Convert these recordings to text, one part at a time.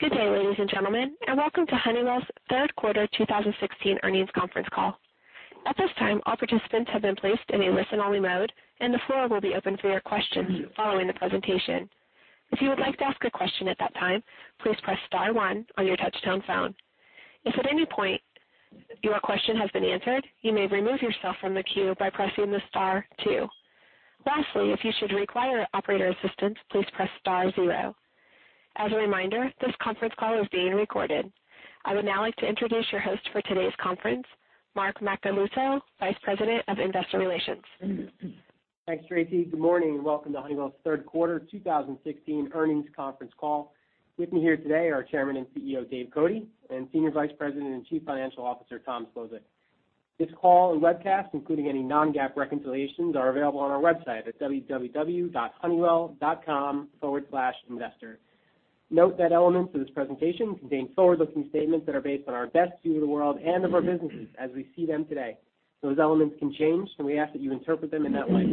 Good day, ladies and gentlemen. Welcome to Honeywell's third quarter 2016 earnings conference call. At this time, all participants have been placed in a listen-only mode. The floor will be open for your questions following the presentation. If you would like to ask a question at that time, please press star one on your touch-tone phone. If at any point your question has been answered, you may remove yourself from the queue by pressing star two. Lastly, if you should require operator assistance, please press star zero. As a reminder, this conference call is being recorded. I would now like to introduce your host for today's conference, Mark Macaluso, Vice President of Investor Relations. Thanks, Tracy. Good morning. Welcome to Honeywell's third quarter 2016 earnings conference call. With me here today are Chairman and CEO, Dave Cote, and Senior Vice President and Chief Financial Officer, Tom Szlosek. This call and webcast, including any non-GAAP reconciliations, are available on our website at honeywell.com/investor. Note that elements of this presentation contain forward-looking statements that are based on our best view of the world and of our businesses as we see them today. Those elements can change. We ask that you interpret them in that light.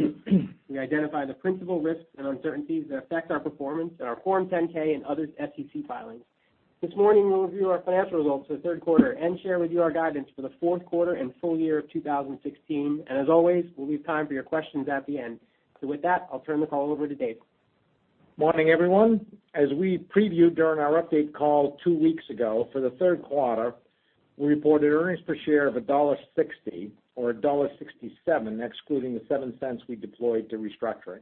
We identify the principal risks and uncertainties that affect our performance in our Form 10-K and other SEC filings. This morning, we'll review our financial results for the third quarter and share with you our guidance for the fourth quarter and full year of 2016. As always, we'll leave time for your questions at the end. With that, I'll turn the call over to Dave. Morning, everyone. As we previewed during our update call two weeks ago, for the third quarter, we reported earnings per share of $1.60 or $1.67, excluding the $0.07 we deployed to restructuring.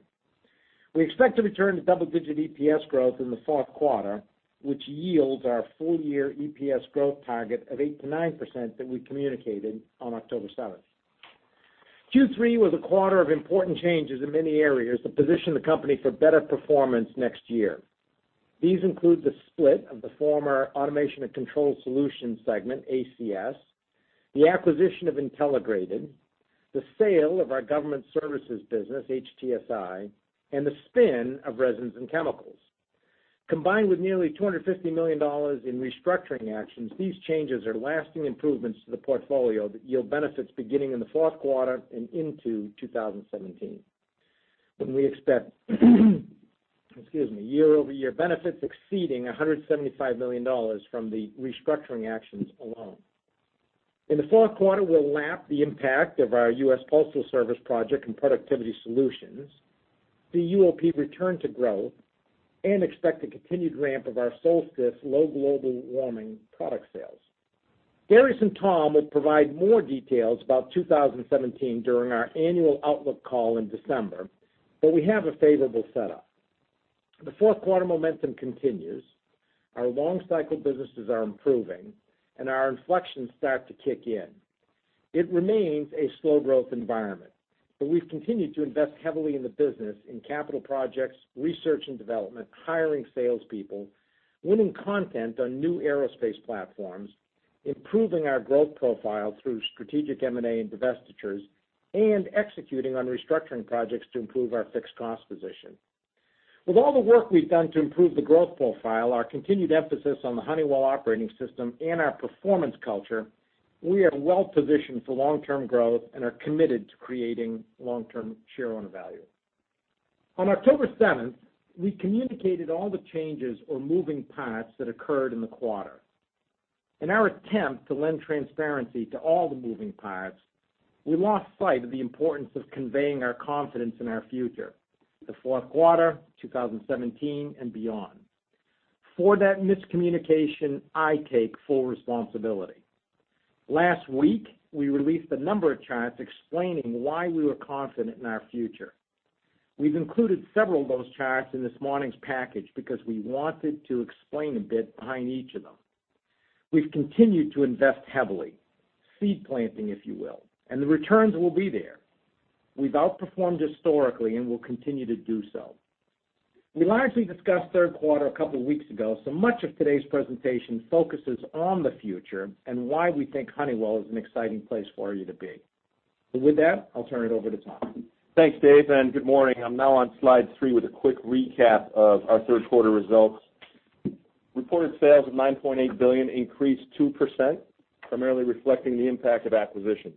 We expect to return to double-digit EPS growth in the fourth quarter, which yields our full-year EPS growth target of 8%-9% that we communicated on October 7th. Q3 was a quarter of important changes in many areas that position the company for better performance next year. These include the split of the former Automation and Control Solutions segment, ACS, the acquisition of Intelligrated, the sale of our government services business, HTSI, and the spin of Resins and Chemicals. Combined with nearly $250 million in restructuring actions, these changes are lasting improvements to the portfolio that yield benefits beginning in the fourth quarter and into 2017, when we expect year-over-year benefits exceeding $175 million from the restructuring actions alone. In the fourth quarter, we'll lap the impact of our U.S. Postal Service project and Productivity Solutions, see UOP return to growth, and expect a continued ramp of our Solstice low global warming product sales. Darius and Tom will provide more details about 2017 during our annual outlook call in December. We have a favorable setup. The fourth quarter momentum continues. Our long-cycle businesses are improving, and our inflections start to kick in. It remains a slow growth environment. We've continued to invest heavily in the business, in capital projects, research and development, hiring salespeople, winning content on new aerospace platforms, improving our growth profile through strategic M&A and divestitures, and executing on restructuring projects to improve our fixed cost position. With all the work we've done to improve the growth profile, our continued emphasis on the Honeywell Operating System and our performance culture, we are well-positioned for long-term growth and are committed to creating long-term shareowner value. On October 7th, we communicated all the changes or moving parts that occurred in the quarter. In our attempt to lend transparency to all the moving parts, we lost sight of the importance of conveying our confidence in our future, the fourth quarter 2017 and beyond. For that miscommunication, I take full responsibility. Last week, we released a number of charts explaining why we were confident in our future. We've included several of those charts in this morning's package because we wanted to explain a bit behind each of them. We've continued to invest heavily, seed planting, if you will, and the returns will be there. We've outperformed historically and will continue to do so. Much of today's presentation focuses on the future and why we think Honeywell is an exciting place for you to be. With that, I'll turn it over to Tom. Thanks, Dave, and good morning. I'm now on slide three with a quick recap of our third quarter results. Reported sales of $9.8 billion increased 2%, primarily reflecting the impact of acquisitions.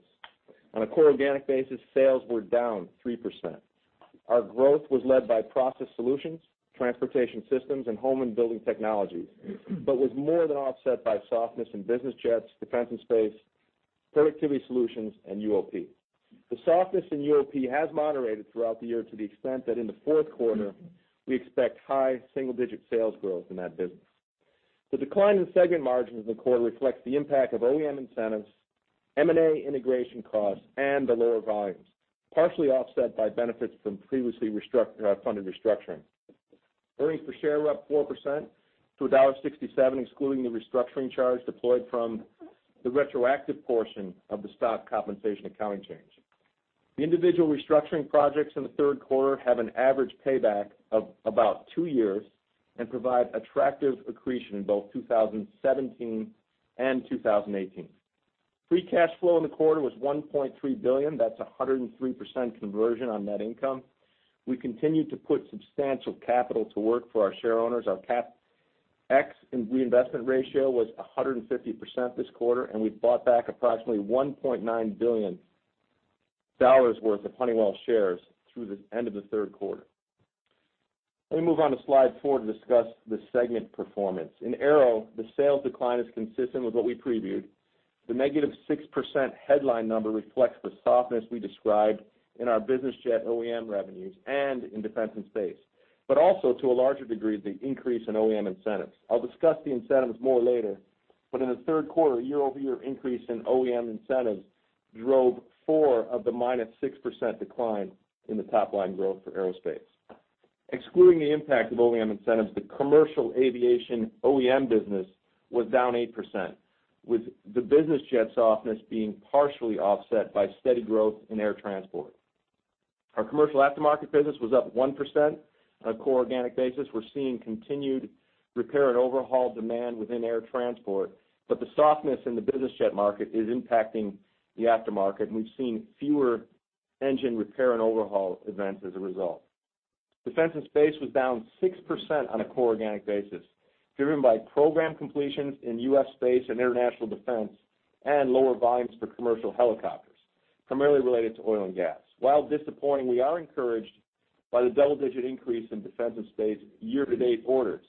On a core organic basis, sales were down 3%. Our growth was led by Process Solutions, Transportation Systems and Home and Building Technologies, was more than offset by softness in business jets, Defense and Space, Productivity Solutions and UOP. The softness in UOP has moderated throughout the year to the extent that in the fourth quarter, we expect high single-digit sales growth in that business. The decline in segment margins in the quarter reflects the impact of OEM incentives, M&A integration costs, and the lower volumes, partially offset by benefits from previously funded restructuring. Earnings per share were up 4% to $1.67, excluding the restructuring charge deployed from the retroactive portion of the stock compensation accounting change. The individual restructuring projects in the third quarter have an average payback of about two years and provide attractive accretion in both 2017 and 2018. Free cash flow in the quarter was $1.3 billion. That's 103% conversion on net income. We continue to put substantial capital to work for our shareowners. Our CapEx and reinvestment ratio was 150% this quarter, and we bought back approximately $1.9 billion. Dollars worth of Honeywell shares through the end of the third quarter. Let me move on to slide four to discuss the segment performance. In Aero, the sales decline is consistent with what we previewed. The -6% headline number reflects the softness we described in our business jet OEM revenues and in Defense and Space, but also to a larger degree, the increase in OEM incentives. I'll discuss the incentives more later, but in the third quarter, year-over-year increase in OEM incentives drove four of the -6% decline in the top line growth for Aerospace. Excluding the impact of OEM incentives, the commercial aviation OEM business was down 8%, with the business jet softness being partially offset by steady growth in air transport. Our commercial aftermarket business was up 1% on a core organic basis. We're seeing continued repair and overhaul demand within air transport, but the softness in the business jet market is impacting the aftermarket, and we've seen fewer engine repair and overhaul events as a result. Defense and Space was down 6% on a core organic basis, driven by program completions in U.S. space and international Defense and lower volumes for commercial helicopters, primarily related to oil and gas. While disappointing, we are encouraged by the double-digit increase in Defense and Space year-to-date orders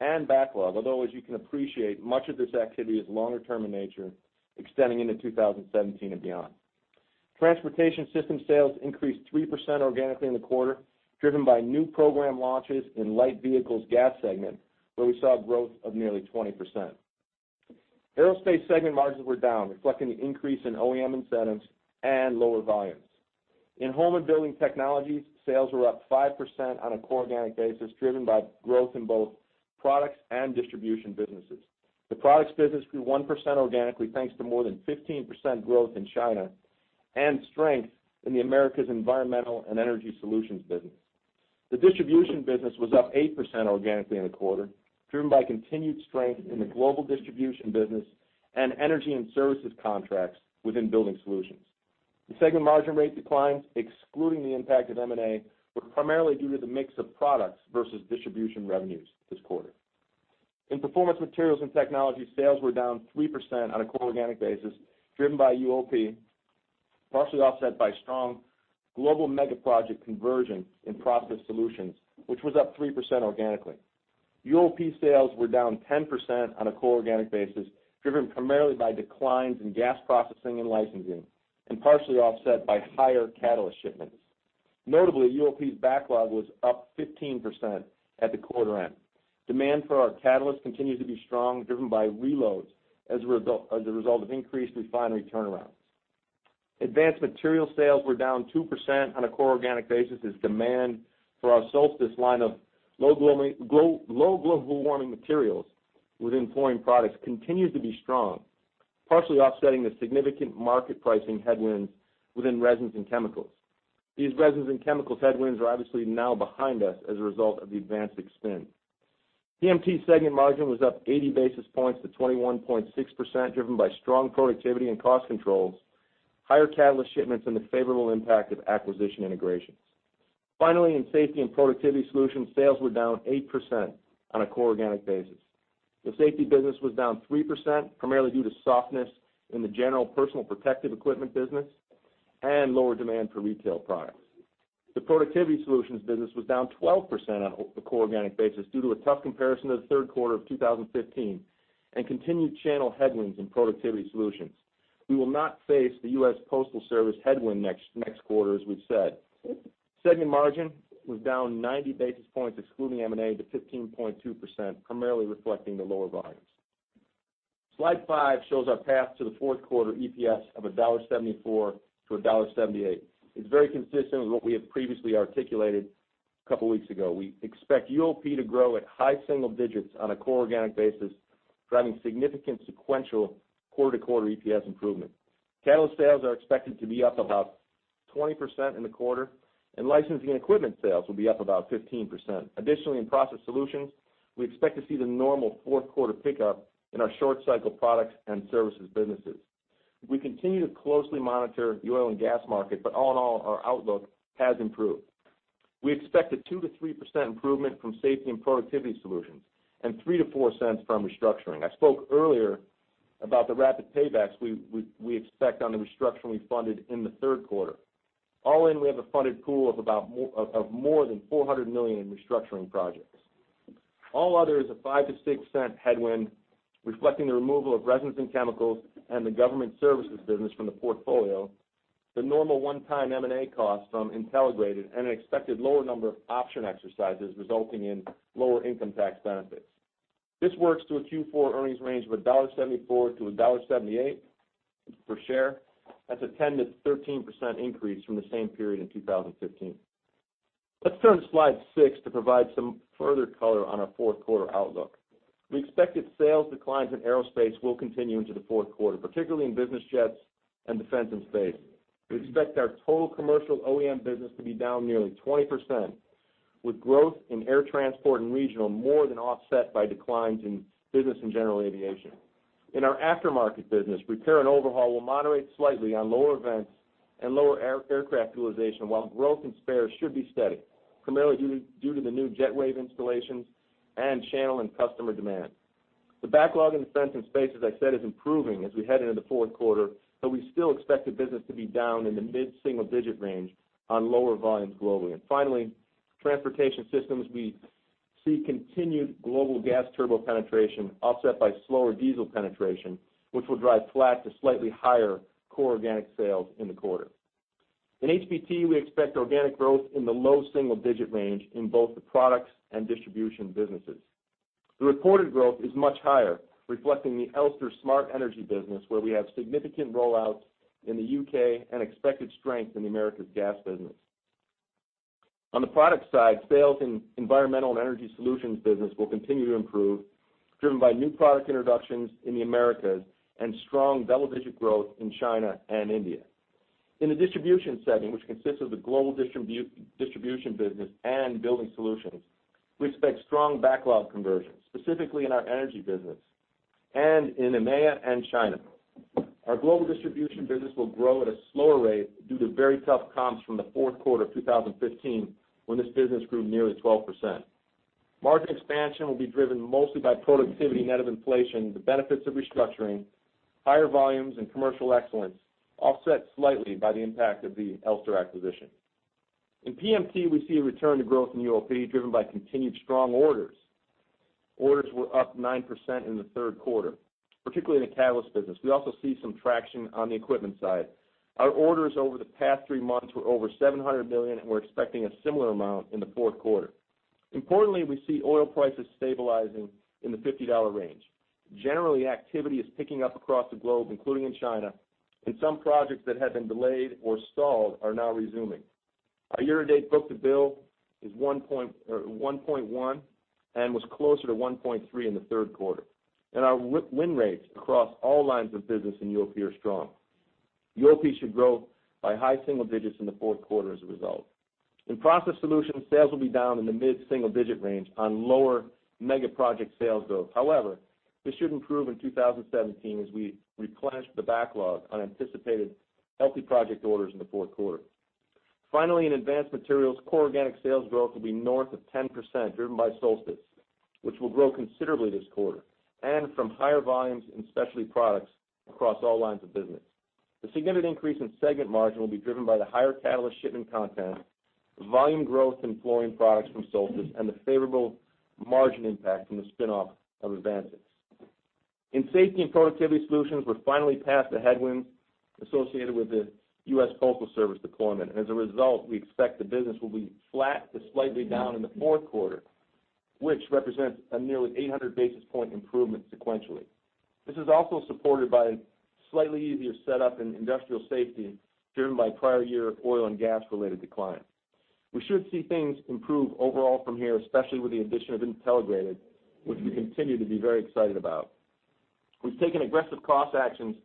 and backlog, although as you can appreciate, much of this activity is longer term in nature, extending into 2017 and beyond. Transportation Systems sales increased 3% organically in the quarter, driven by new program launches in light vehicles gas segment, where we saw growth of nearly 20%. Aerospace segment margins were down, reflecting the increase in OEM incentives and lower volumes. In Home and Building Technologies, sales were up 5% on a core organic basis, driven by growth in both products and distribution businesses. The products business grew 1% organically, thanks to more than 15% growth in China and strength in the Americas Environmental and Energy Solutions business. The distribution business was up 8% organically in the quarter, driven by continued strength in the global distribution business and energy and services contracts within Building Solutions. The segment margin rate declines, excluding the impact of M&A, were primarily due to the mix of products versus distribution revenues this quarter. In Performance Materials and Technologies, sales were down 3% on a core organic basis, driven by UOP, partially offset by strong global mega project conversion in Process Solutions, which was up 3% organically. UOP sales were down 10% on a core organic basis, driven primarily by declines in gas processing and licensing, and partially offset by higher catalyst shipments. Notably, UOP's backlog was up 15% at the quarter end. Demand for our catalyst continues to be strong, driven by reloads as a result of increased refinery turnarounds. Advanced Materials sales were down 2% on a core organic basis as demand for our Solstice line of low global warming materials within Fluorine Products continues to be strong, partially offsetting the significant market pricing headwinds within Resins and Chemicals. These Resins and Chemicals headwinds are obviously now behind us as a result of the AdvanSix spin. PMT segment margin was up 80 basis points to 21.6%, driven by strong productivity and cost controls, higher catalyst shipments, and the favorable impact of acquisition integrations. Finally, in Safety and Productivity Solutions, sales were down 8% on a core organic basis. The Safety business was down 3%, primarily due to softness in the general personal protective equipment business and lower demand for retail products. The Productivity Solutions business was down 12% on a core organic basis due to a tough comparison to the third quarter of 2015 and continued channel headwinds in Productivity Solutions. We will not face the U.S. Postal Service headwind next quarter, as we've said. Segment margin was down 90 basis points, excluding M&A, to 15.2%, primarily reflecting the lower volumes. Slide five shows our path to the fourth quarter EPS of $1.74-$1.78. It's very consistent with what we had previously articulated a couple of weeks ago. We expect UOP to grow at high single digits on a core organic basis, driving significant sequential quarter-to-quarter EPS improvement. Catalyst sales are expected to be up about 20% in the quarter, and licensing and equipment sales will be up about 15%. Additionally, in Process Solutions, we expect to see the normal fourth quarter pickup in our short cycle products and services businesses. We continue to closely monitor the oil and gas market, but all in all, our outlook has improved. We expect a 2%-3% improvement from Safety and Productivity Solutions and $0.03-$0.04 from restructuring. I spoke earlier about the rapid paybacks we expect on the restructuring we funded in the third quarter. All in, we have a funded pool of more than $400 million in restructuring projects. All others, a $0.05-$0.06 headwind reflecting the removal of Resins and Chemicals and the Government Services business from the portfolio, the normal one-time M&A cost from Intelligrated, and an expected lower number of option exercises resulting in lower income tax benefits. This works to a Q4 earnings range of $1.74-$1.78 per share. That's a 10%-13% increase from the same period in 2015. Let's turn to slide six to provide some further color on our fourth quarter outlook. We expect that sales declines in aerospace will continue into the fourth quarter, particularly in business jets and Defense and Space. We expect our total commercial OEM business to be down nearly 20%, with growth in air transport and regional more than offset by declines in business and general aviation. In our aftermarket business, repair and overhaul will moderate slightly on lower events and lower aircraft utilization, while growth in spares should be steady, primarily due to the new JetWave installations and channel and customer demand. The backlog in Defense and Space, as I said, is improving as we head into the fourth quarter, but we still expect the business to be down in the mid-single-digit range on lower volumes globally. Finally, Transportation Systems, we see continued global gas turbo penetration offset by slower diesel penetration, which will drive flat to slightly higher core organic sales in the quarter. In HBT, we expect organic growth in the low-single-digit range in both the products and distribution businesses. The reported growth is much higher, reflecting the Elster Smart Energy business, where we have significant rollouts in the U.K. and expected strength in the Americas gas business. On the product side, sales in environmental and energy solutions business will continue to improve, driven by new product introductions in the Americas and strong double-digit growth in China and India. In the distribution segment, which consists of the global distribution business and building solutions, we expect strong backlog conversions, specifically in our energy business and in EMEA and China. Our global distribution business will grow at a slower rate due to very tough comps from the fourth quarter of 2015, when this business grew nearly 12%. Margin expansion will be driven mostly by productivity net of inflation, the benefits of restructuring, higher volumes, and commercial excellence, offset slightly by the impact of the Elster acquisition. In PMT, we see a return to growth in UOP, driven by continued strong orders. Orders were up 9% in the third quarter, particularly in the catalyst business. We also see some traction on the equipment side. Our orders over the past three months were over $700 million, and we're expecting a similar amount in the fourth quarter. Importantly, we see oil prices stabilizing in the $50 range. Generally, activity is picking up across the globe, including in China, and some projects that had been delayed or stalled are now resuming. Our year-to-date book-to-bill is 1.1 and was closer to 1.3 in the third quarter. Our win rates across all lines of business in UOP are strong. UOP should grow by high-single digits in the fourth quarter as a result. In Process Solutions, sales will be down in the mid-single-digit range on lower mega-project sales growth. However, this should improve in 2017 as we replenish the backlog on anticipated healthy project orders in the fourth quarter. Finally, in Advanced Materials, core organic sales growth will be north of 10%, driven by Solstice, which will grow considerably this quarter, and from higher volumes in specialty products across all lines of business. The significant increase in segment margin will be driven by the higher catalyst shipment content, volume growth in Fluorine Products from Solstice, and the favorable margin impact from the spin-off of AdvanSix. In Safety and Productivity Solutions, we're finally past the headwind associated with the U.S. Postal Service deployment. As a result, we expect the business will be flat to slightly down in the fourth quarter, which represents a nearly 800 basis point improvement sequentially. This is also supported by slightly easier setup in industrial safety, driven by prior-year oil and gas-related decline. We should see things improve overall from here, especially with the addition of Intelligrated, which we continue to be very excited about. We've taken aggressive cost actions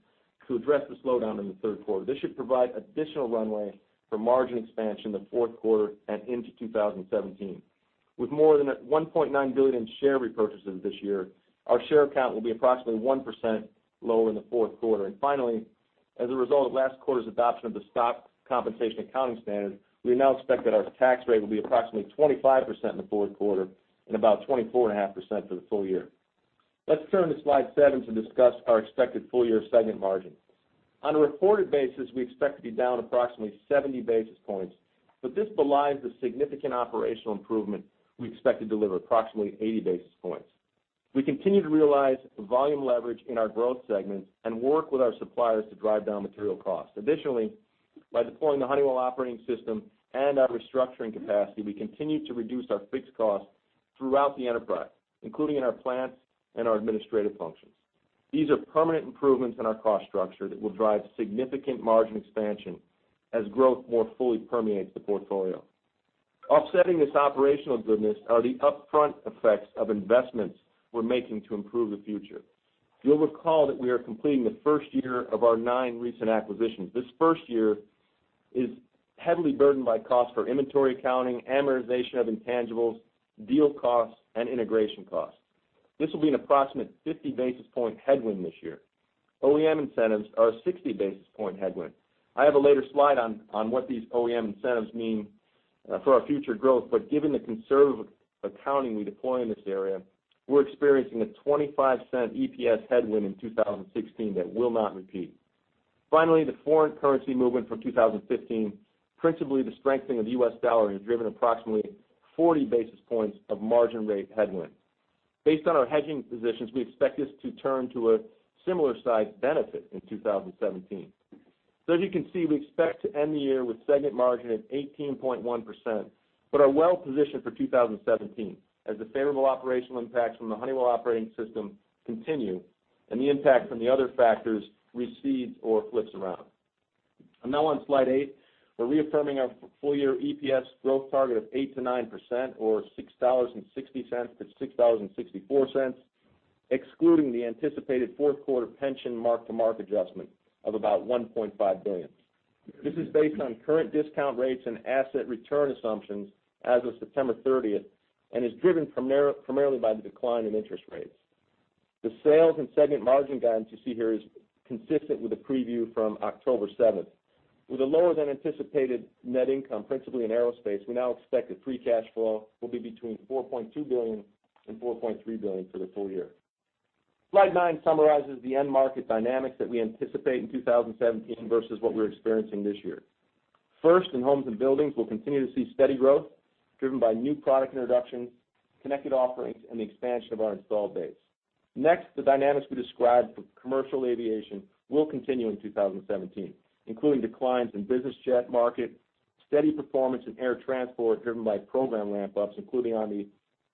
to address the slowdown in the third quarter. This should provide additional runway for margin expansion in the fourth quarter and into 2017. With more than $1.9 billion in share repurchases this year, our share count will be approximately 1% lower in the fourth quarter. Finally, as a result of last quarter's adoption of the stock compensation accounting standard, we now expect that our tax rate will be approximately 25% in the fourth quarter and about 24.5% for the full year. Let's turn to slide seven to discuss our expected full year segment margin. On a reported basis, we expect to be down approximately 70 basis points, but this belies the significant operational improvement we expect to deliver, approximately 80 basis points. We continue to realize volume leverage in our growth segments and work with our suppliers to drive down material costs. Additionally, by deploying the Honeywell Operating System and our restructuring capacity, we continue to reduce our fixed costs throughout the enterprise, including in our plants and our administrative functions. These are permanent improvements in our cost structure that will drive significant margin expansion as growth more fully permeates the portfolio. Offsetting this operational goodness are the upfront effects of investments we're making to improve the future. You'll recall that we are completing the first year of our nine recent acquisitions. This first year is heavily burdened by cost for inventory accounting, amortization of intangibles, deal costs, and integration costs. This will be an approximate 50 basis point headwind this year. OEM incentives are a 60 basis point headwind. I have a later slide on what these OEM incentives mean for our future growth. Given the conservative accounting we deploy in this area, we're experiencing a $0.25 EPS headwind in 2016 that will not repeat. Finally, the foreign currency movement from 2015, principally the strengthening of the US dollar, has driven approximately 40 basis points of margin rate headwind. Based on our hedging positions, we expect this to turn to a similar size benefit in 2017. As you can see, we expect to end the year with segment margin at 18.1%, but are well positioned for 2017 as the favorable operational impacts from the Honeywell Operating System continue and the impact from the other factors recedes or flips around. Now on slide eight, we're reaffirming our full year EPS growth target of 8%-9%, or $6.60-$6.64, excluding the anticipated fourth quarter pension mark-to-market adjustment of about $1.5 billion. This is based on current discount rates and asset return assumptions as of September 30th and is driven primarily by the decline in interest rates. The sales and segment margin guidance you see here is consistent with the preview from October 7th. With a lower than anticipated net income, principally in aerospace, we now expect that free cash flow will be between $4.2 billion and $4.3 billion for the full year. Slide nine summarizes the end market dynamics that we anticipate in 2017 versus what we're experiencing this year. First, in homes and buildings, we'll continue to see steady growth driven by new product introductions, connected offerings, and the expansion of our installed base. Next, the dynamics we described for commercial aviation will continue in 2017, including declines in business jet market, steady performance in air transport driven by program ramp-ups, including on the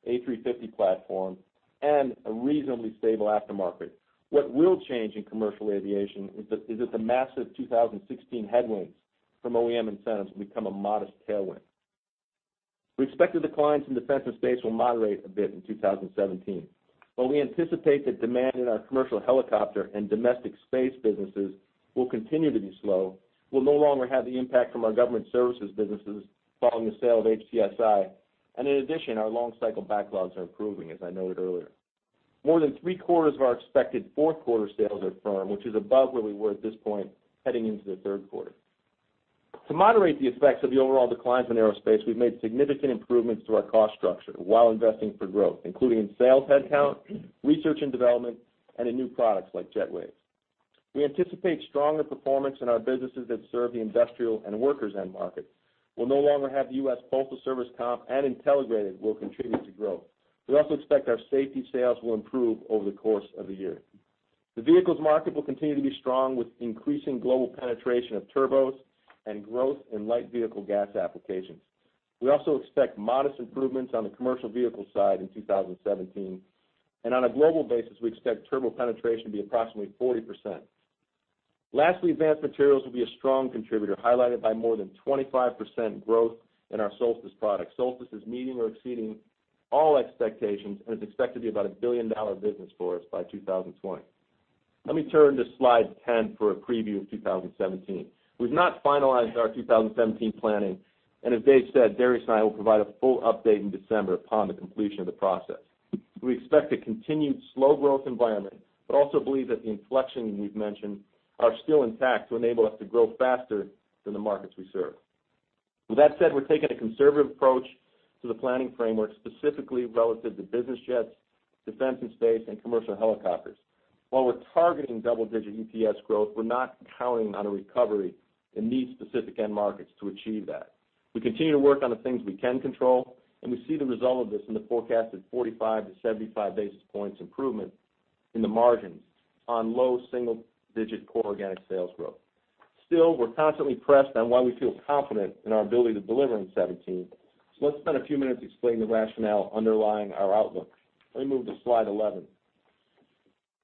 A350 platform, and a reasonably stable aftermarket. What will change in commercial aviation is that the massive 2016 headwinds from OEM incentives will become a modest tailwind. We expect that the declines in Defense and Space will moderate a bit in 2017, but we anticipate that demand in our commercial helicopter and domestic space businesses will continue to be slow. We'll no longer have the impact from our government services businesses following the sale of HTSI. In addition, our long cycle backlogs are improving, as I noted earlier. More than three-quarters of our expected fourth quarter sales are firm, which is above where we were at this point heading into the third quarter. To moderate the effects of the overall declines in aerospace, we've made significant improvements to our cost structure while investing for growth, including in sales headcount, research and development, and in new products like JetWave. We anticipate stronger performance in our businesses that serve the industrial and workers end market. We'll no longer have the U.S. Postal Service comp, and Intelligrated will contribute to growth. We also expect our safety sales will improve over the course of the year. The vehicles market will continue to be strong with increasing global penetration of turbos and growth in light vehicle gas applications. We also expect modest improvements on the commercial vehicle side in 2017, and on a global basis, we expect turbo penetration to be approximately 40%. Lastly, Advanced Materials will be a strong contributor, highlighted by more than 25% growth in our Solstice product. Solstice is meeting or exceeding all expectations and is expected to be about a billion-dollar business for us by 2020. Let me turn to Slide 10 for a preview of 2017. We've not finalized our 2017 planning, and as Dave said, Darius and I will provide a full update in December upon the completion of the process. We expect a continued slow growth environment, but also believe that the inflection we've mentioned are still intact to enable us to grow faster than the markets we serve. With that said, we're taking a conservative approach to the planning framework, specifically relative to business jets, Defense and Space, and commercial helicopters. While we're targeting double-digit EPS growth, we're not counting on a recovery in these specific end markets to achieve that. We continue to work on the things we can control, and we see the result of this in the forecasted 45 to 75 basis points improvement in the margins on low single-digit core organic sales growth. We're constantly pressed on why we feel confident in our ability to deliver in 2017, so let's spend a few minutes explaining the rationale underlying our outlook. Let me move to Slide 11.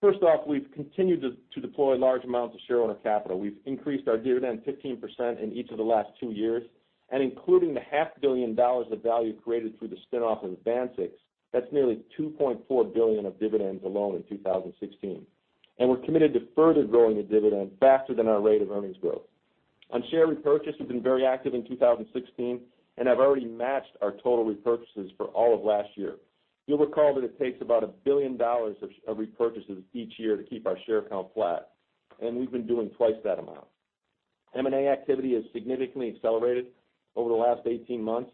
First off, we've continued to deploy large amounts of shareowner capital. We've increased our dividend 15% in each of the last two years, and including the half billion dollars of value created through the spin-off of AdvanSix, that's nearly $2.4 billion of dividends alone in 2016. We're committed to further growing the dividend faster than our rate of earnings growth. On share repurchase, we've been very active in 2016 and have already matched our total repurchases for all of last year. You'll recall that it takes about $1 billion of repurchases each year to keep our share count flat, and we've been doing twice that amount. M&A activity has significantly accelerated over the last 18 months.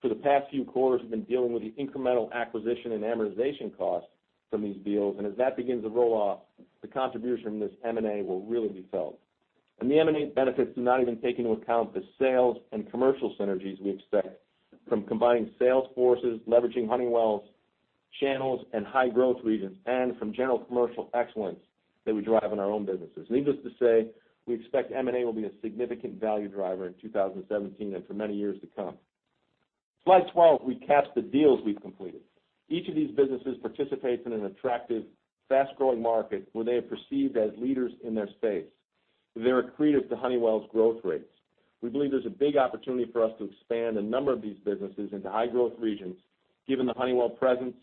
For the past few quarters, we've been dealing with the incremental acquisition and amortization costs from these deals, and as that begins to roll off, the contribution from this M&A will really be felt. The M&A benefits do not even take into account the sales and commercial synergies we expect from combining sales forces, leveraging Honeywell's channels and High Growth Regions, and from general commercial excellence that we drive in our own businesses. Needless to say, we expect M&A will be a significant value driver in 2017 and for many years to come. Slide 12, we cap the deals we've completed. Each of these businesses participates in an attractive, fast-growing market where they are perceived as leaders in their space. They're accretive to Honeywell's growth rates. We believe there's a big opportunity for us to expand a number of these businesses into High Growth Regions, given the Honeywell presence,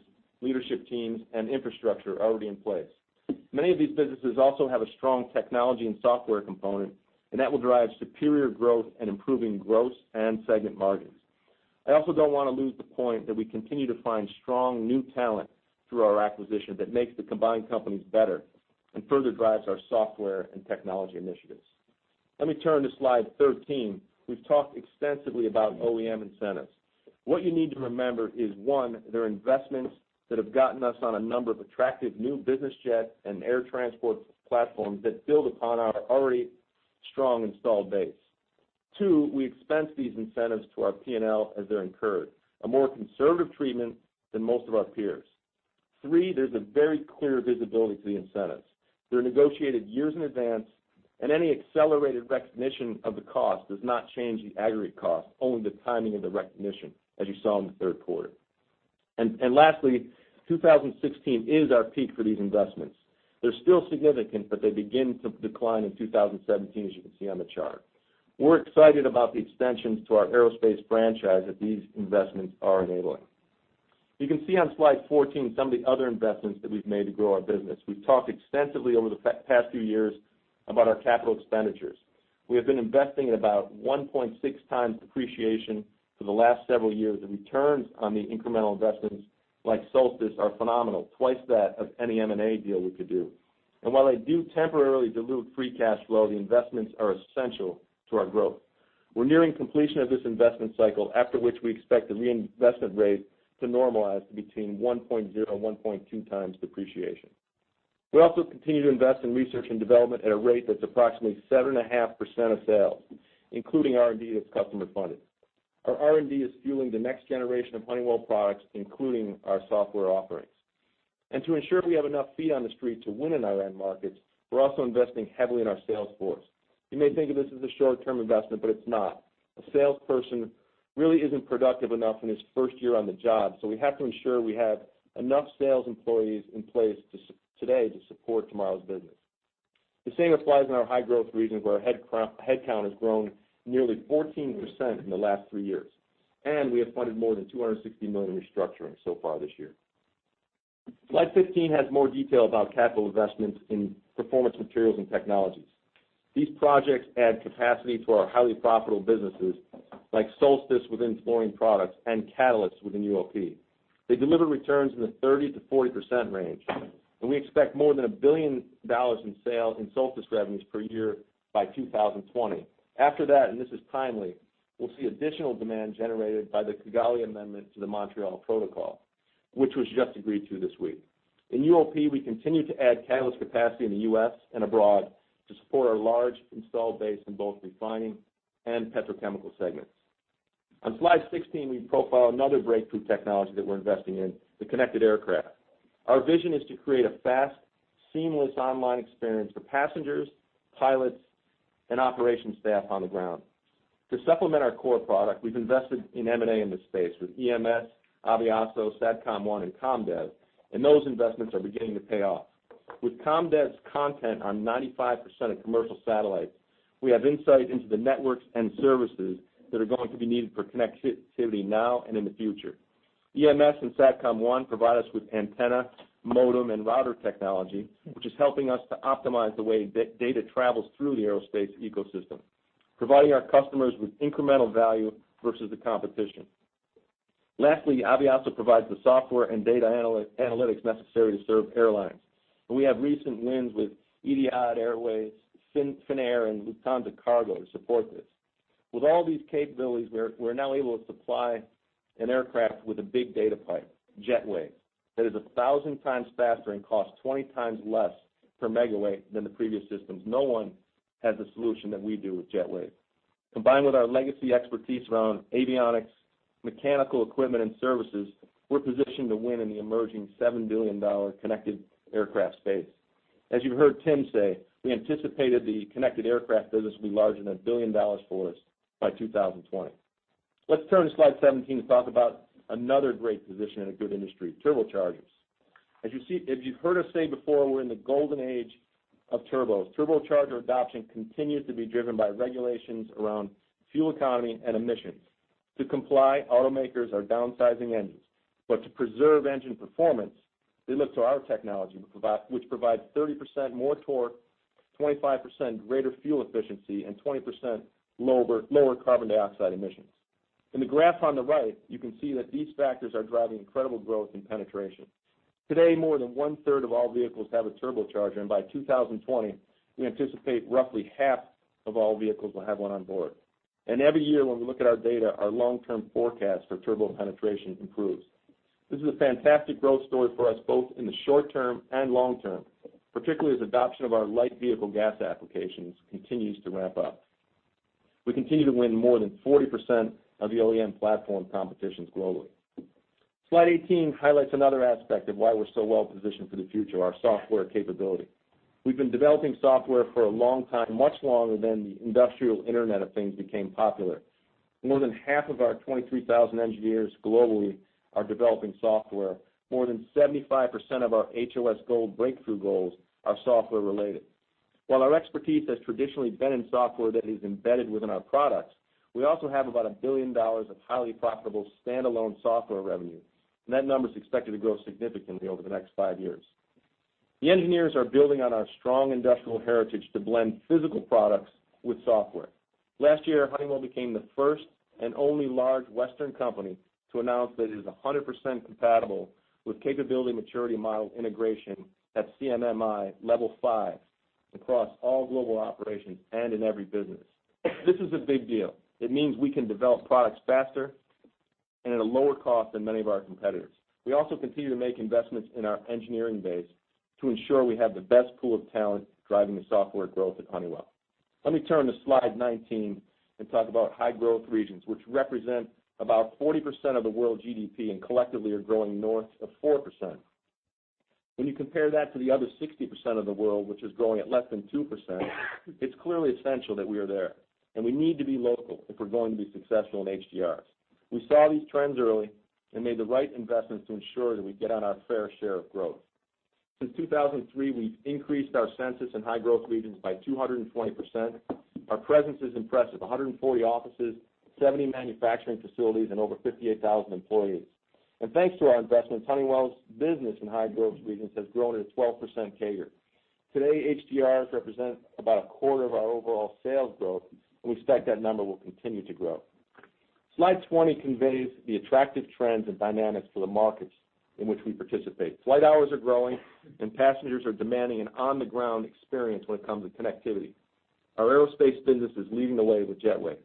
leadership teams, and infrastructure already in place. Many of these businesses also have a strong technology and software component, and that will drive superior growth and improving gross and segment margins. I also don't want to lose the point that we continue to find strong new talent through our acquisition that makes the combined companies better and further drives our software and technology initiatives. Let me turn to Slide 13. We've talked extensively about OEM incentives. What you need to remember is, one, they're investments that have gotten us on a number of attractive new business jet and air transport platforms that build upon our already strong installed base. Two, we expense these incentives to our P&L as they're incurred, a more conservative treatment than most of our peers. Three, there's a very clear visibility to the incentives. They're negotiated years in advance, and any accelerated recognition of the cost does not change the aggregate cost, only the timing of the recognition, as you saw in the third quarter. Lastly, 2016 is our peak for these investments. They're still significant, but they begin to decline in 2017, as you can see on the chart. We're excited about the extensions to our aerospace franchise that these investments are enabling. You can see on Slide 14 some of the other investments that we've made to grow our business. We've talked extensively over the past few years about our capital expenditures. We have been investing at about 1.6 times depreciation for the last several years. The returns on the incremental investments like Solstice are phenomenal, twice that of any M&A deal we could do. While they do temporarily dilute free cash flow, the investments are essential to our growth. We're nearing completion of this investment cycle, after which we expect the reinvestment rate to normalize to between 1.0 and 1.2 times depreciation. We also continue to invest in research and development at a rate that's approximately 7.5% of sales, including R&D that's customer funded. Our R&D is fueling the next generation of Honeywell products, including our software offerings. To ensure we have enough feet on the street to win in our end markets, we're also investing heavily in our sales force. You may think of this as a short-term investment, but it's not. A salesperson really isn't productive enough in his first year on the job, so we have to ensure we have enough sales employees in place today to support tomorrow's business. The same applies in our High Growth Regions, where our headcount has grown nearly 14% in the last three years, and we have funded more than $260 million in restructuring so far this year. Slide 15 has more detail about capital investments in Performance Materials and Technologies. These projects add capacity to our highly profitable businesses like Solstice within Fluorine Products and Catalysts within UOP. They deliver returns in the 30%-40% range. We expect more than $1 billion in Solstice revenues per year by 2020. After that, this is timely, we'll see additional demand generated by the Kigali Amendment to the Montreal Protocol, which was just agreed to this week. In UOP, we continue to add catalyst capacity in the U.S. and abroad to support our large installed base in both refining and petrochemical segments. On Slide 16, we profile another breakthrough technology that we're investing in, the connected aircraft. Our vision is to create a fast, seamless online experience for passengers, pilots, and operations staff on the ground. To supplement our core product, we've invested in M&A in this space with EMS, Aviaso, Satcom1, and COM DEV. Those investments are beginning to pay off. With COM DEV's content on 95% of commercial satellites, we have insight into the networks and services that are going to be needed for connectivity now and in the future. EMS and Satcom1 provide us with antenna, modem, and router technology, which is helping us to optimize the way data travels through the aerospace ecosystem, providing our customers with incremental value versus the competition. Lastly, Aviaso provides the software and data analytics necessary to serve airlines. We have recent wins with Etihad Airways, Finnair, and Lufthansa Cargo to support this. With all these capabilities, we're now able to supply an aircraft with a big data pipe, JetWave, that is 1,000 times faster and costs 20 times less per megabit than the previous systems. No one has a solution that we do with JetWave. Combined with our legacy expertise around avionics, mechanical equipment, and services, we're positioned to win in the emerging $7 billion connected aircraft space. As you heard Tim say, we anticipated the connected aircraft business will be large and $1 billion for us by 2020. Let's turn to Slide 17 to talk about another great position in a good industry, turbochargers. As you've heard us say before, we're in the golden age of turbos. Turbocharger adoption continues to be driven by regulations around fuel economy and emissions. To comply, automakers are downsizing engines. To preserve engine performance, they look to our technology, which provides 30% more torque, 25% greater fuel efficiency, and 20% lower carbon dioxide emissions. In the graph on the right, you can see that these factors are driving incredible growth and penetration. Today, more than one-third of all vehicles have a turbocharger. By 2020, we anticipate roughly half of all vehicles will have one on board. Every year, when we look at our data, our long-term forecast for turbo penetration improves. This is a fantastic growth story for us, both in the short term and long term, particularly as adoption of our light vehicle gas applications continues to ramp up. We continue to win more than 40% of the OEM platform competitions globally. Slide 18 highlights another aspect of why we're so well positioned for the future, our software capability. We've been developing software for a long time, much longer than the Industrial Internet of Things became popular. More than half of our 23,000 engineers globally are developing software. More than 75% of our HOS Gold breakthrough goals are software related. While our expertise has traditionally been in software that is embedded within our products, we also have about $1 billion of highly profitable standalone software revenue. That number is expected to grow significantly over the next five years. The engineers are building on our strong industrial heritage to blend physical products with software. Last year, Honeywell became the first and only large Western company to announce that it is 100% compatible with Capability Maturity Model Integration at CMMI level 5 across all global operations and in every business. This is a big deal. It means we can develop products faster and at a lower cost than many of our competitors. We also continue to make investments in our engineering base to ensure we have the best pool of talent driving the software growth at Honeywell. Let me turn to slide 19 and talk about High Growth Regions, which represent about 40% of the world GDP and collectively are growing north of 4%. When you compare that to the other 60% of the world, which is growing at less than 2%, it's clearly essential that we are there. We need to be local if we're going to be successful in HGRs. We saw these trends early and made the right investments to ensure that we get our fair share of growth. Since 2003, we've increased our census in High Growth Regions by 220%. Our presence is impressive, 140 offices, 70 manufacturing facilities, and over 58,000 employees. Thanks to our investments, Honeywell's business in High Growth Regions has grown at a 12% CAGR. Today, HGRs represent about a quarter of our overall sales growth. We expect that number will continue to grow. Slide 20 conveys the attractive trends and dynamics for the markets in which we participate. Flight hours are growing. Passengers are demanding an on-the-ground experience when it comes to connectivity. Our aerospace business is leading the way with JetWave.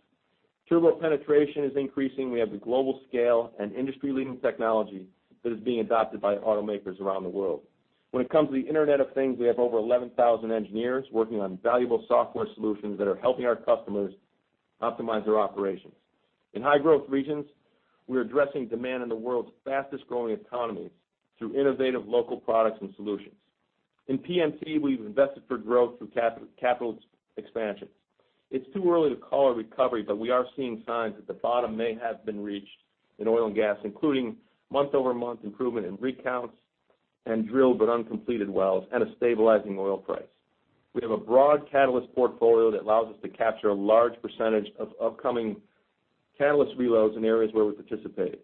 Turbo penetration is increasing. We have the global scale and industry-leading technology that is being adopted by automakers around the world. When it comes to the Internet of Things, we have over 11,000 engineers working on valuable software solutions that are helping our customers optimize their operations. In High Growth Regions, we're addressing demand in the world's fastest-growing economies through innovative local products and solutions. In PMT, we've invested for growth through capital expansion. It is too early to call a recovery, but we are seeing signs that the bottom may have been reached in oil and gas, including month-over-month improvement in rig counts and drilled but uncompleted wells and a stabilizing oil price. We have a broad catalyst portfolio that allows us to capture a large percentage of upcoming catalyst reloads in areas where we participate.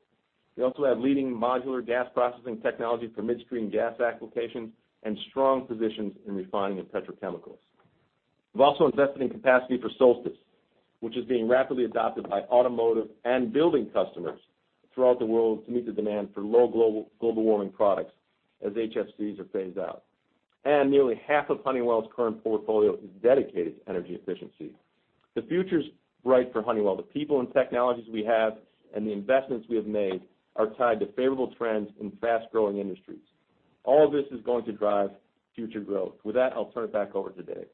We also have leading modular gas processing technology for midstream gas applications and strong positions in refining and petrochemicals. We have also invested in capacity for Solstice, which is being rapidly adopted by automotive and building customers throughout the world to meet the demand for low global warming products as HFCs are phased out. Nearly half of Honeywell's current portfolio is dedicated to energy efficiency. The future is bright for Honeywell. The people and technologies we have and the investments we have made are tied to favorable trends in fast-growing industries. All this is going to drive future growth. With that, I will turn it back over to Dave.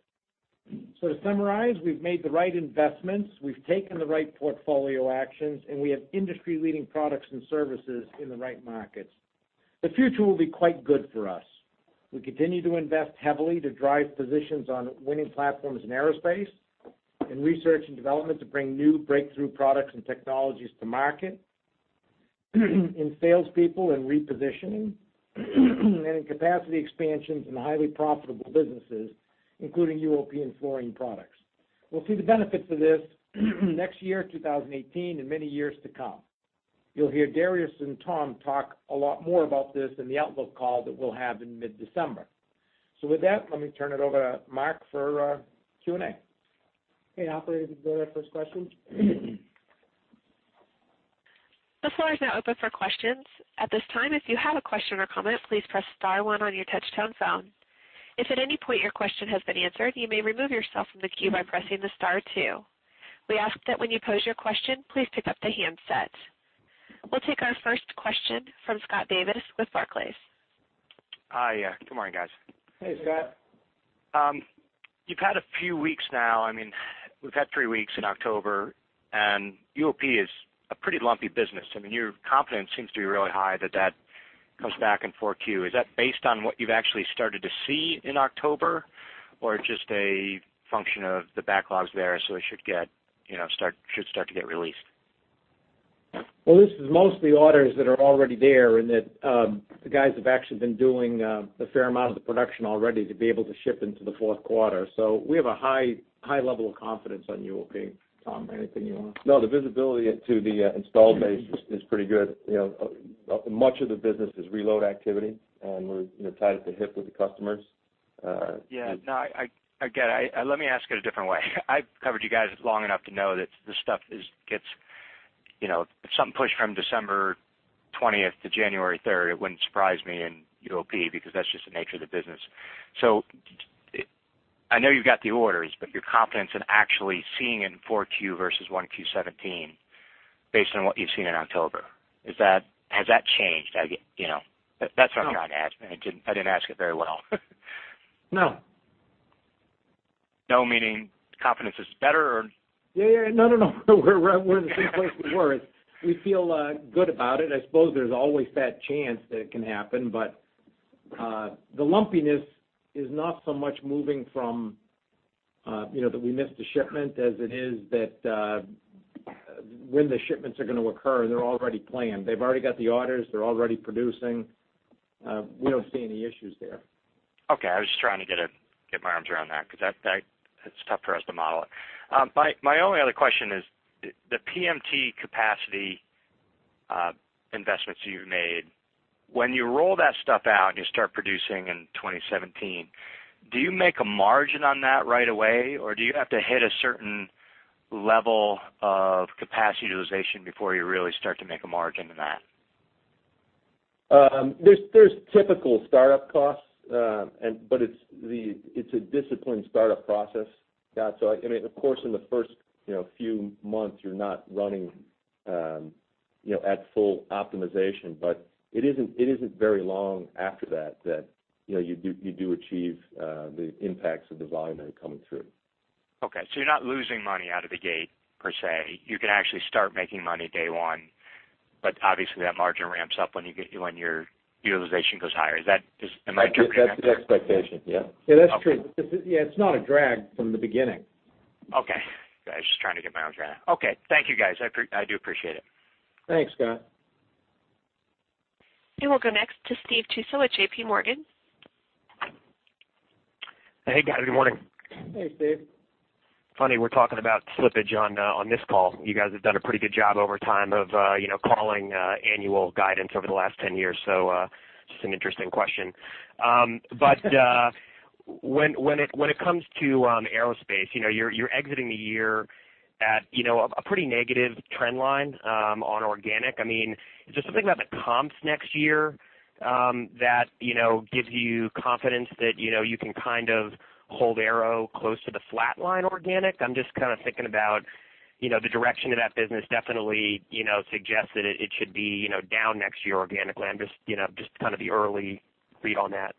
To summarize, we have made the right investments, we have taken the right portfolio actions, and we have industry-leading products and services in the right markets. The future will be quite good for us. We continue to invest heavily to drive positions on winning platforms in aerospace, in research and development to bring new breakthrough products and technologies to market, in salespeople and repositioning, and in capacity expansions in highly profitable businesses, including UOP and Fluorine Products. We will see the benefits of this next year, 2018, and many years to come. You will hear Darius and Tom talk a lot more about this in the outlook call that we will have in mid-December. With that, let me turn it over to Mark for our Q&A. Operator, go to our first question. The floor is now open for questions. At this time, if you have a question or comment, please press star one on your touchtone phone. If at any point your question has been answered, you may remove yourself from the queue by pressing star two. We ask that when you pose your question, please pick up the handset. We will take our first question from Scott Davis with Barclays. Hi. Good morning, guys. Hey, Scott. You've had a few weeks now. We've had three weeks in October, and UOP is a pretty lumpy business. Your confidence seems to be really high that comes back in 4Q. Is that based on what you've actually started to see in October, or just a function of the backlogs there, so it should start to get released? Well, this is mostly orders that are already there and that the guys have actually been doing a fair amount of the production already to be able to ship into the fourth quarter. We have a high level of confidence on UOP. Tom, anything you want to add? The visibility to the installed base is pretty good. Much of the business is reload activity, and we're tied at the hip with the customers. Yeah. No, I get it. Let me ask it a different way. I've covered you guys long enough to know that this stuff, if something pushed from December 20th to January 3rd, it wouldn't surprise me in UOP because that's just the nature of the business. I know you've got the orders, but your confidence in actually seeing it in 4Q versus 1Q 2017, based on what you've seen in October, has that changed? That's what I'm trying to ask. I didn't ask it very well. No. Meaning confidence is better, or Yeah. No, no. We're in the same place we were. We feel good about it. I suppose there's always that chance that it can happen. The lumpiness is not so much moving from that we missed a shipment as it is that when the shipments are going to occur, they're already planned. They've already got the orders. They're already producing. We don't see any issues there. Okay. I was just trying to get my arms around that because it's tough for us to model it. My only other question is the PMT capacity investments you've made. When you roll that stuff out and you start producing in 2017, do you make a margin on that right away, or do you have to hit a certain level of capacity utilization before you really start to make a margin on that? There's typical startup costs, but it's a disciplined startup process, Scott. Of course, in the first few months, you're not running at full optimization, but it isn't very long after that that you do achieve the impacts of the volume that are coming through. Okay. You're not losing money out of the gate per se. You can actually start making money day one, but obviously, that margin ramps up when your utilization goes higher. Am I interpreting that correctly? That's the expectation, yeah. Yeah, that's true. Okay. It's not a drag from the beginning. Okay. I was just trying to get my arms around it. Okay. Thank you, guys. I do appreciate it. Thanks, Scott. We'll go next to Steve Tusa with J.P. Morgan. Hey, guys. Good morning. Hey, Steve. Funny, we're talking about slippage on this call. You guys have done a pretty good job over time of calling annual guidance over the last 10 years. Just an interesting question. When it comes to Aerospace, you're exiting the year at a pretty negative trend line on organic. Is there something about the comps next year that gives you confidence that you can kind of hold Aero close to the flat line organic? I'm just kind of thinking about the direction of that business definitely suggests that it should be down next year organically. I'm just kind of the early read on that.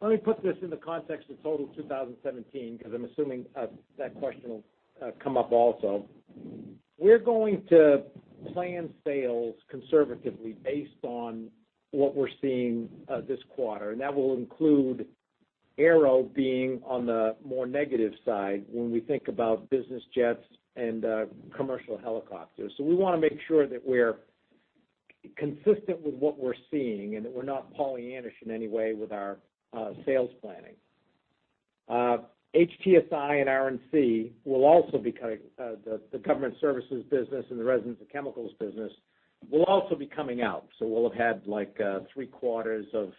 Let me put this in the context of total 2017, because I'm assuming that question will come up also. We're going to plan sales conservatively based on what we're seeing this quarter. That will include Aero being on the more negative side when we think about business jets and commercial helicopters. We want to make sure that we're consistent with what we're seeing, and that we're not Pollyannish in any way with our sales planning. HTSI and R&C, the government services business and the Resins and Chemicals business, will also be coming out. We'll have had three quarters of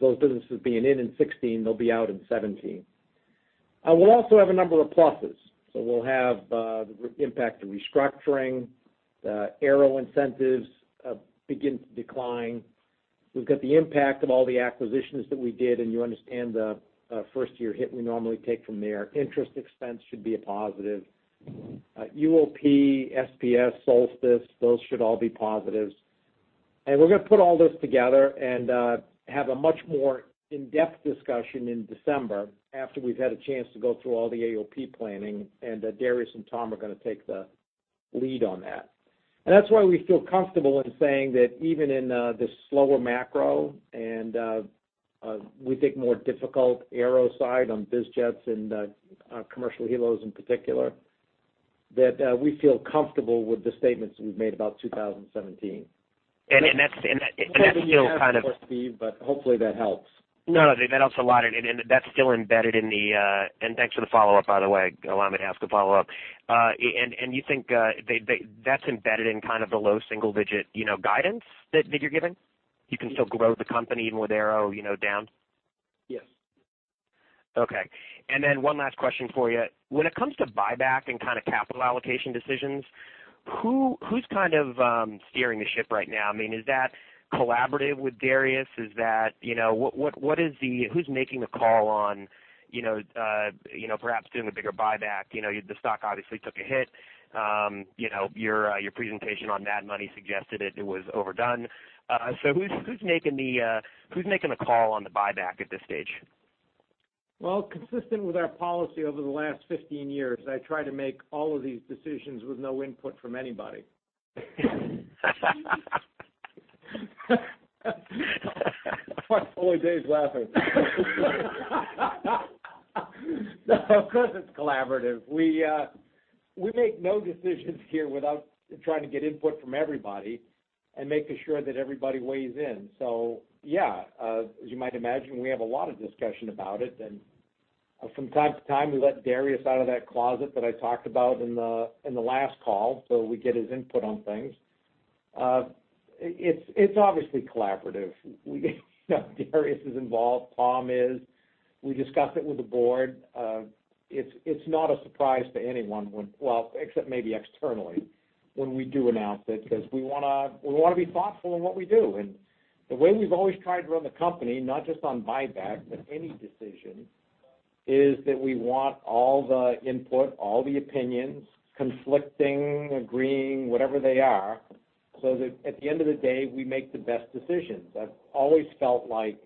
those businesses being in in 2016, they'll be out in 2017. We'll also have a number of pluses. We'll have the impact of restructuring, the Aero incentives begin to decline. We've got the impact of all the acquisitions that we did, you understand the first-year hit we normally take from there. Interest expense should be a positive. UOP, SPS, Solstice, those should all be positives. We're going to put all this together and have a much more in-depth discussion in December after we've had a chance to go through all the AOP planning, Darius and Tom are going to take the lead on that. That's why we feel comfortable in saying that even in this slower macro, we think more difficult Aero side on biz jets and commercial helos in particular, that we feel comfortable with the statements that we've made about 2017. That's still. I'm glad that you asked that Steve, hopefully that helps. No, that helps a lot. That's still embedded in the. Thanks for the follow-up, by the way, allow me to ask a follow-up. You think that's embedded in kind of the low single-digit guidance that you're giving? You can still grow the company even with Aero down? Yes. Okay. One last question for you. When it comes to buyback and kind of capital allocation decisions, who's kind of steering the ship right now? Is that collaborative with Darius? Who's making the call on perhaps doing the bigger buyback? The stock obviously took a hit. Your presentation on Mad Money suggested it was overdone. Who's making the call on the buyback at this stage? Well, consistent with our policy over the last 15 years, I try to make all of these decisions with no input from anybody. [inaudible] Dave's laughing. Of course it's collaborative. We make no decisions here without trying to get input from everybody and making sure that everybody weighs in. Yeah, as you might imagine, we have a lot of discussion about it. From time to time, we let Darius out of that closet that I talked about in the last call, so we get his input on things. It's obviously collaborative. Darius is involved, Tom is. We discuss it with the board. It's not a surprise to anyone when, well, except maybe externally, when we do announce it, because we want to be thoughtful in what we do. The way we've always tried to run the company, not just on buyback, but any decision, is that we want all the input, all the opinions, conflicting, agreeing, whatever they are, so that at the end of the day, we make the best decisions. I've always felt like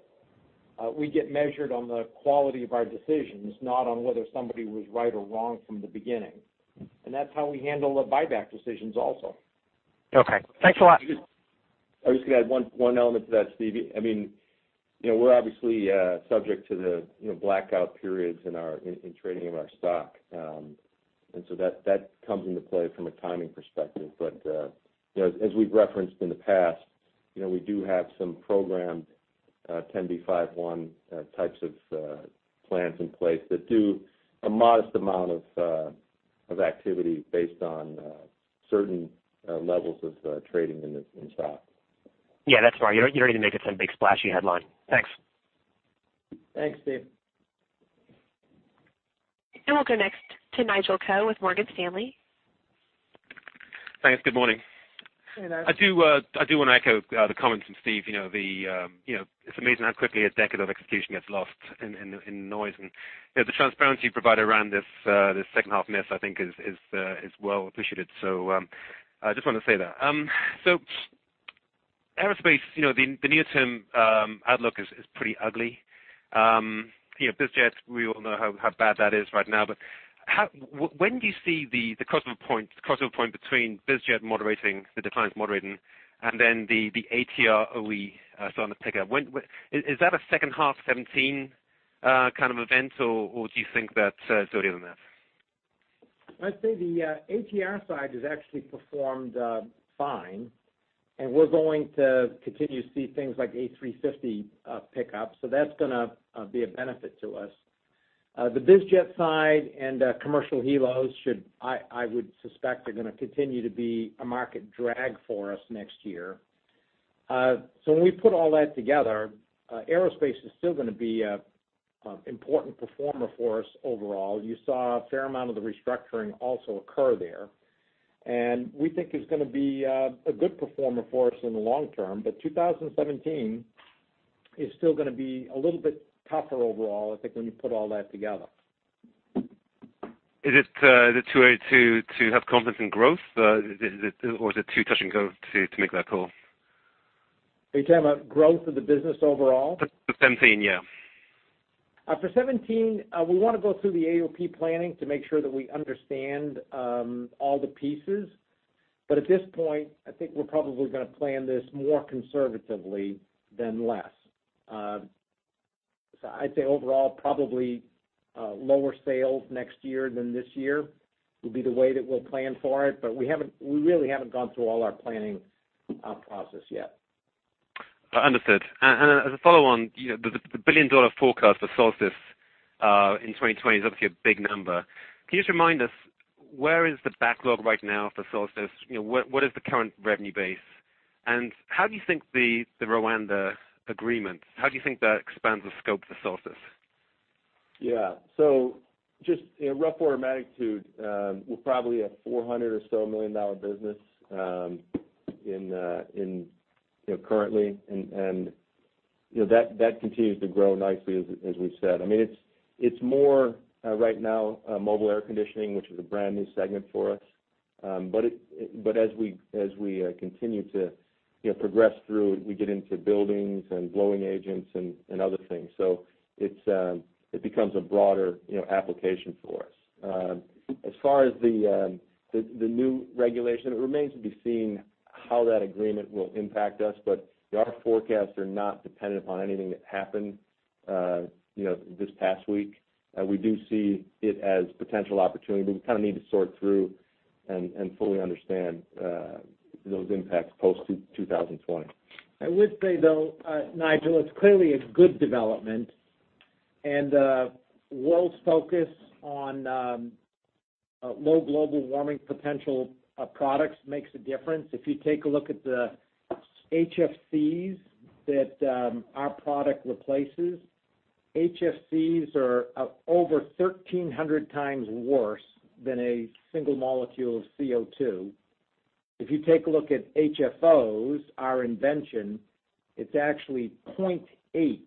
we get measured on the quality of our decisions, not on whether somebody was right or wrong from the beginning. That's how we handle the buyback decisions also. Okay. Thanks a lot. I'm just going to add one element to that, Steve. We're obviously subject to the blackout periods in trading of our stock. That comes into play from a timing perspective. As we've referenced in the past, we do have some programmed 10b5-1 types of plans in place that do a modest amount of activity based on certain levels of trading in the stock. Yeah, that's fine. You don't need to make it some big splashy headline. Thanks. Thanks, Steve. We'll go next to Nigel Coe with Morgan Stanley. Thanks. Good morning. Hey, Nigel. I do want to echo the comments from Steve. It's amazing how quickly a decade of execution gets lost in noise, and the transparency you provide around this second half miss, I think is well appreciated. I just want to say that. Aerospace, the near-term outlook is pretty ugly. BizJet, we all know how bad that is right now, but when do you see the crossover point between BizJet moderating, the declines moderating, and then the ATR, OE starting to pick up? Is that a second half 2017 kind of event, or do you think that's already in there? I'd say the ATR side has actually performed fine, and we're going to continue to see things like A350 pick up. That's going to be a benefit to us. The biz jet side and commercial helos, I would suspect, are going to continue to be a market drag for us next year. When we put all that together, aerospace is still going to be an important performer for us overall. You saw a fair amount of the restructuring also occur there. We think it's going to be a good performer for us in the long term. 2017 is still going to be a little bit tougher overall, I think, when you put all that together. Is it too early to have confidence in growth? Is it too touch and go to make that call? Are you talking about growth of the business overall? For 2017, yeah. For 2017, we want to go through the AOP planning to make sure that we understand all the pieces. At this point, I think we're probably going to plan this more conservatively than less. I'd say overall, probably lower sales next year than this year will be the way that we'll plan for it. We really haven't gone through all our planning process yet. Understood. As a follow-on, the billion-dollar forecast for Solstice in 2020 is obviously a big number. Can you just remind us, where is the backlog right now for Solstice? What is the current revenue base? How do you think the Kigali Amendment expands the scope for Solstice? Just in rough order of magnitude, we're probably a $400 million or so business currently. That continues to grow nicely, as we've said. It's more right now mobile air conditioning, which is a brand-new segment for us. As we continue to progress through, we get into buildings and blowing agents and other things. It becomes a broader application for us. As far as the new regulation, it remains to be seen how that Amendment will impact us, our forecasts are not dependent upon anything that happened this past week. We do see it as a potential opportunity, we kind of need to sort through and fully understand those impacts post 2020. I would say, though, Nigel, it's clearly a good development, the world's focus on low global warming potential products makes a difference. If you take a look at the HFCs that our product replaces, HFCs are over 1,300 times worse than a single molecule of CO2. If you take a look at HFOs, our invention, it's actually 0.8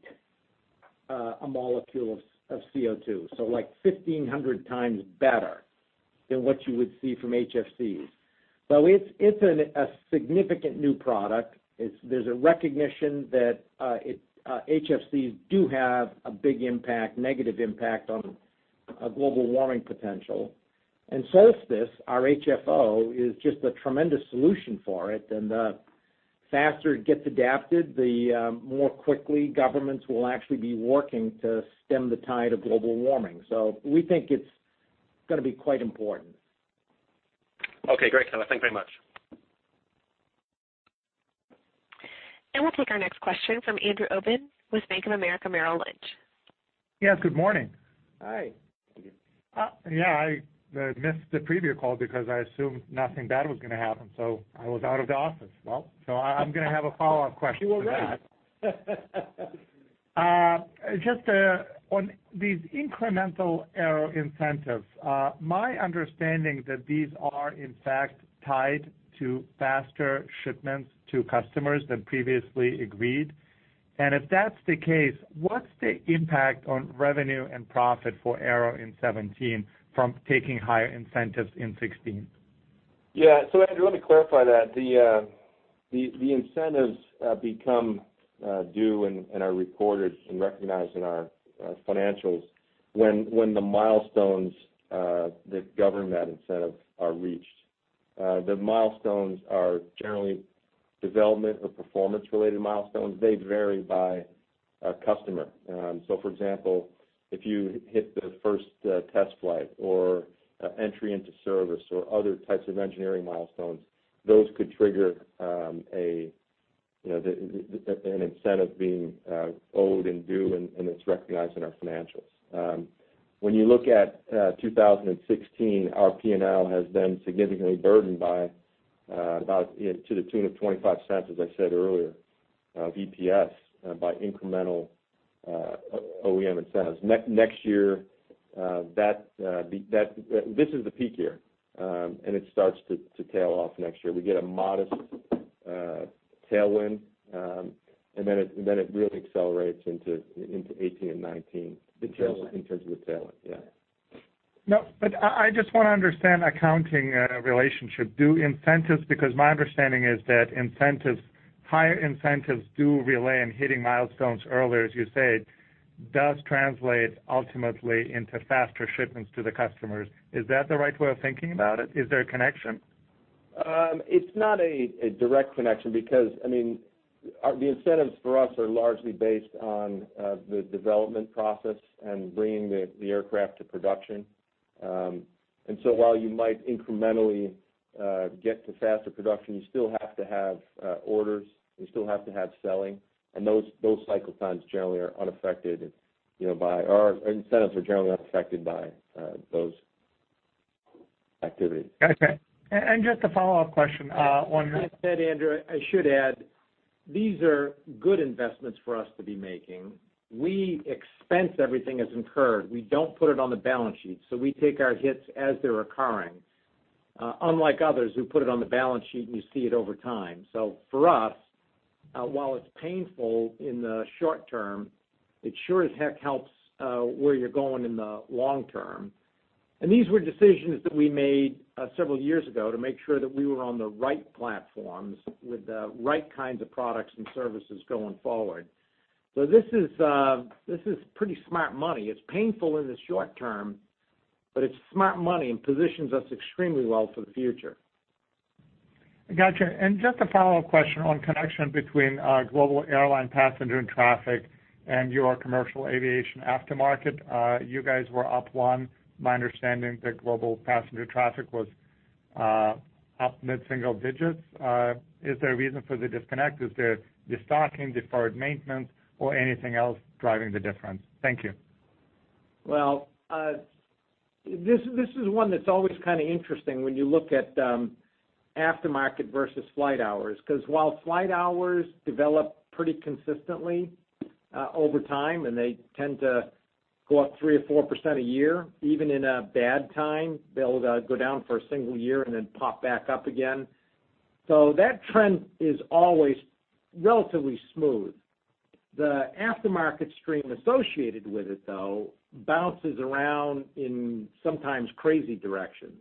a molecule of CO2. 1,500 times better than what you would see from HFCs. It's a significant new product. There's a recognition that HFCs do have a big negative impact on global warming potential. Solstice, our HFO, is just a tremendous solution for it, the faster it gets adapted, the more quickly governments will actually be working to stem the tide of global warming. We think it's going to be quite important. Okay, great. Thank you very much. We'll take our next question from Andrew Obin with Bank of America Merrill Lynch. Yes, good morning. Hi. I missed the previous call because I assumed nothing bad was going to happen, so I was out of the office. I'm going to have a follow-up question to that. You were right. Just on these incremental Aero incentives, my understanding that these are in fact tied to faster shipments to customers than previously agreed. If that's the case, what's the impact on revenue and profit for Aero in 2017 from taking higher incentives in 2016? Andrew, let me clarify that. The incentives become due and are recorded and recognized in our financials when the milestones that govern that incentive are reached. The milestones are generally development or performance-related milestones. They vary by customer. For example, if you hit the first test flight or entry into service or other types of engineering milestones, those could trigger an incentive being owed and due, and it's recognized in our financials. When you look at 2016, our P&L has been significantly burdened by about to the tune of $0.25, as I said earlier, of EPS by incremental OEM incentives. This is the peak year, and it starts to tail off next year. We get a modest tailwind, and then it really accelerates into 2018 and 2019. The tailwind. in terms of the tailwind, yeah. I just want to understand accounting relationship. Do incentives, because my understanding is that higher incentives do rely on hitting milestones earlier, as you said, does translate ultimately into faster shipments to the customers. Is that the right way of thinking about it? Is there a connection? It's not a direct connection because the incentives for us are largely based on the development process and bringing the aircraft to production. While you might incrementally get to faster production, you still have to have orders, you still have to have selling. Those cycle times generally are unaffected by our incentives are generally unaffected by those activities. Okay. Just a follow-up question on that. I said, Andrew, I should add, these are good investments for us to be making. We expense everything as incurred. We don't put it on the balance sheet, so we take our hits as they're occurring, unlike others who put it on the balance sheet, and you see it over time. For us, while it's painful in the short term, it sure as heck helps where you're going in the long term. These were decisions that we made several years ago to make sure that we were on the right platforms with the right kinds of products and services going forward. This is pretty smart money. It's painful in the short term, but it's smart money and positions us extremely well for the future. Got you. Just a follow-up question on connection between global airline passenger and traffic and your commercial aviation aftermarket. You guys were up one. My understanding that global passenger traffic was up mid-single digits. Is there a reason for the disconnect? Is there de-stocking, deferred maintenance, or anything else driving the difference? Thank you. Well, this is one that's always kind of interesting when you look at aftermarket versus flight hours, because while flight hours develop pretty consistently over time, and they tend to go up 3% or 4% a year, even in a bad time, they'll go down for a single year and then pop back up again. That trend is always relatively smooth. The aftermarket stream associated with it, though, bounces around in sometimes crazy directions.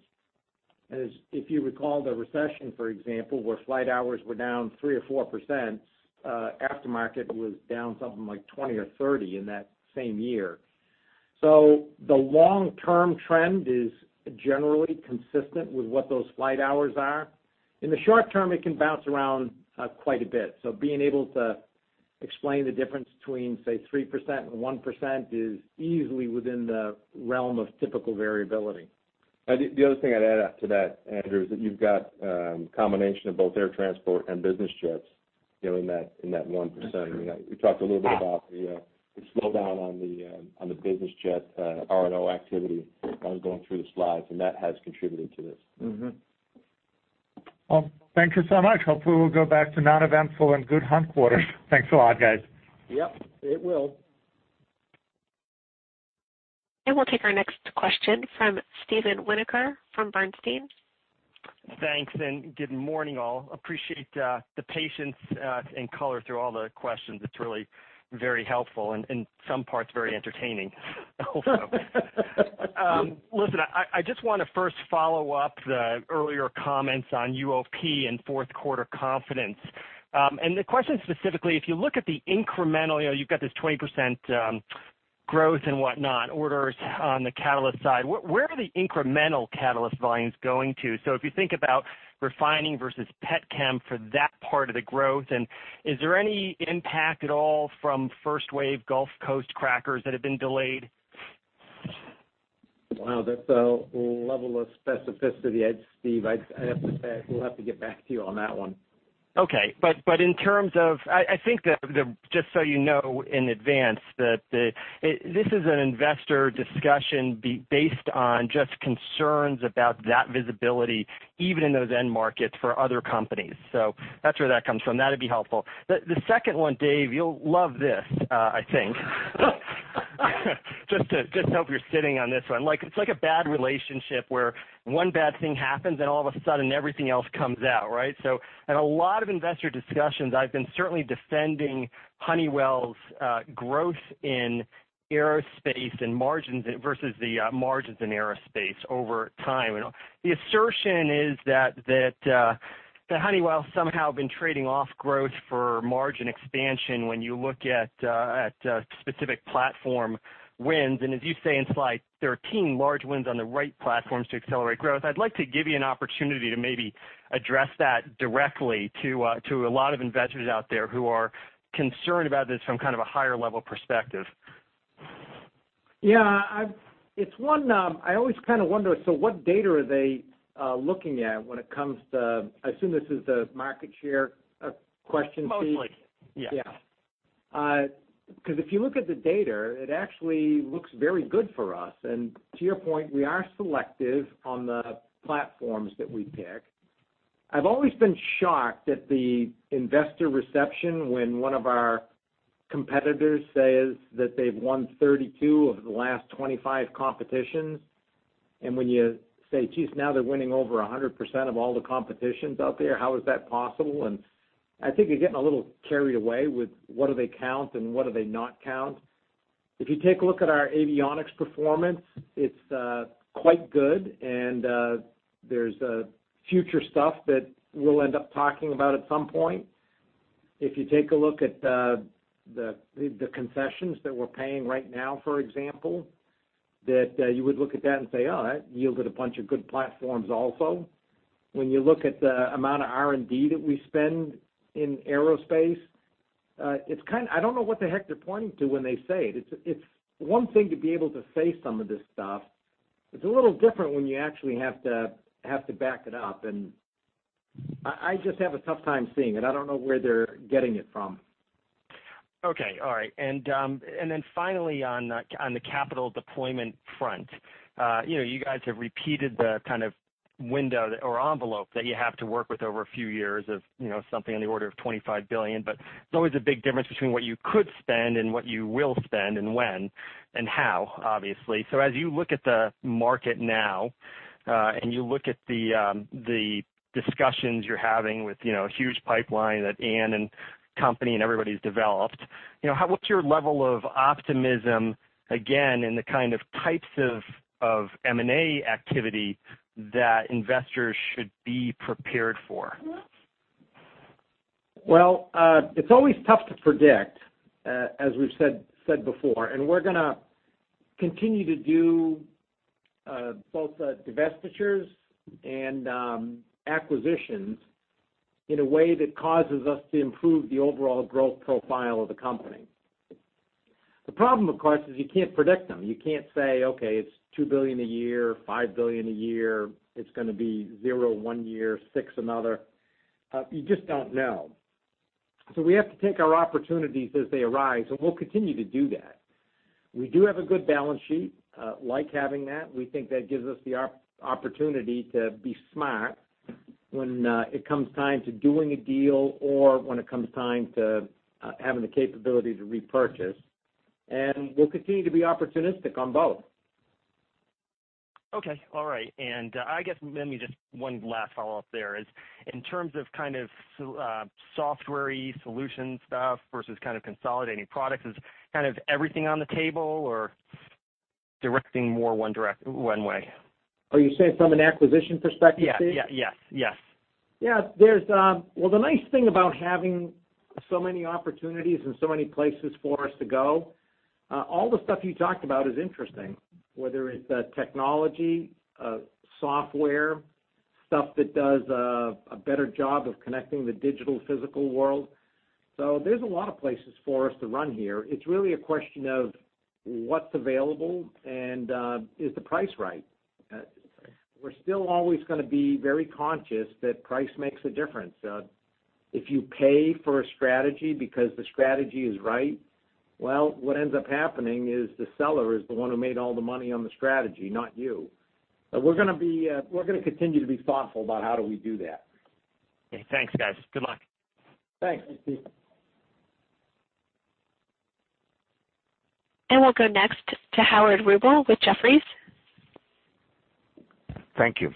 If you recall the recession, for example, where flight hours were down 3% or 4%, aftermarket was down something like 20% or 30% in that same year. The long-term trend is generally consistent with what those flight hours are. In the short term, it can bounce around quite a bit. Being able to explain the difference between, say, 3% and 1% is easily within the realm of typical variability. The other thing I'd add to that, Andrew, is that you've got a combination of both air transport and business jets in that 1%. We talked a little bit about the slowdown on the business jet R&O activity going through the slides. That has contributed to this. Mm-hmm. Well, thank you so much. Hopefully, we'll go back to uneventful and good fourth quarters. Thanks a lot, guys. Yep, it will. We'll take our next question from Steven Winoker from Bernstein. Thanks, good morning, all. Appreciate the patience and color through all the questions. It's really very helpful and some parts very entertaining, also. Listen, I just want to first follow up the earlier comments on UOP and fourth quarter confidence. The question specifically, if you look at the incremental, you've got this 20% growth and whatnot, orders on the catalyst side, where are the incremental catalyst volumes going to? If you think about refining versus pet chem for that part of the growth, is there any impact at all from first-wave Gulf Coast crackers that have been delayed? Wow, that's a level of specificity, Steve. I have to say, I will have to get back to you on that one. Okay. In terms of, I think that, just so you know in advance, that this is an investor discussion based on just concerns about that visibility, even in those end markets for other companies. That's where that comes from. That'd be helpful. The second one, Dave, you'll love this, I think. Just hope you're sitting on this one. It's like a bad relationship where one bad thing happens, and all of a sudden, everything else comes out, right? In a lot of investor discussions, I've been certainly defending Honeywell's growth in aerospace and margins versus the margins in aerospace over time. The assertion is that Honeywell has somehow been trading off growth for margin expansion when you look at specific platform wins. As you say in slide 13, large wins on the right platforms to accelerate growth. I'd like to give you an opportunity to maybe address that directly to a lot of investors out there who are concerned about this from kind of a higher level perspective. Yeah. I always kind of wonder, what data are they looking at when it comes to, I assume this is the market share question, Steve? Mostly, yes. Yeah. Because if you look at the data, it actually looks very good for us. To your point, we are selective on the platforms that we pick. I've always been shocked at the investor reception when one of our competitors says that they've won 32 of the last 25 competitions, when you say, "Jeez, now they're winning over 100% of all the competitions out there, how is that possible?" I think you're getting a little carried away with what do they count and what do they not count. If you take a look at our avionics performance, it's quite good, there's future stuff that we'll end up talking about at some point. If you take a look at the concessions that we're paying right now, for example, that you would look at that and say, "Oh, that yielded a bunch of good platforms also." When you look at the amount of R&D that we spend in aerospace, I don't know what the heck they're pointing to when they say it. It's one thing to be able to say some of this stuff. It's a little different when you actually have to back it up. I just have a tough time seeing it. I don't know where they're getting it from. Okay. All right. Finally on the capital deployment front, you guys have repeated the kind of window or envelope that you have to work with over a few years of something in the order of $25 billion, it's always a big difference between what you could spend and what you will spend and when and how, obviously. As you look at the market now, you look at the discussions you're having with a huge pipeline that Anne and company and everybody's developed, what's your level of optimism, again, in the kind of types of M&A activity that investors should be prepared for? Well, it's always tough to predict, as we've said before. We're going to continue to do both divestitures and acquisitions in a way that causes us to improve the overall growth profile of the company. The problem, of course, is you can't predict them. You can't say, "Okay, it's 2 billion a year, 5 billion a year. It's going to be zero one year, 6 another." You just don't know. We have to take our opportunities as they arise, and we'll continue to do that. We do have a good balance sheet. Like having that. We think that gives us the opportunity to be smart when it comes time to doing a deal or when it comes time to having the capability to repurchase. We'll continue to be opportunistic on both. Okay. All right. I guess maybe just one last follow-up there is in terms of kind of software solution stuff versus kind of consolidating products, is kind of everything on the table or directing more one way? Are you saying from an acquisition perspective, Steve? Yes. Well, the nice thing about having so many opportunities and so many places for us to go, all the stuff you talked about is interesting, whether it's technology, software, stuff that does a better job of connecting the digital physical world. There's a lot of places for us to run here. It's really a question of what's available and is the price right? We're still always going to be very conscious that price makes a difference. If you pay for a strategy because the strategy is right, well, what ends up happening is the seller is the one who made all the money on the strategy, not you. We're going to continue to be thoughtful about how do we do that. Okay. Thanks, guys. Good luck. Thanks, Steve. We'll go next to Howard Rubel with Jefferies. Thank you.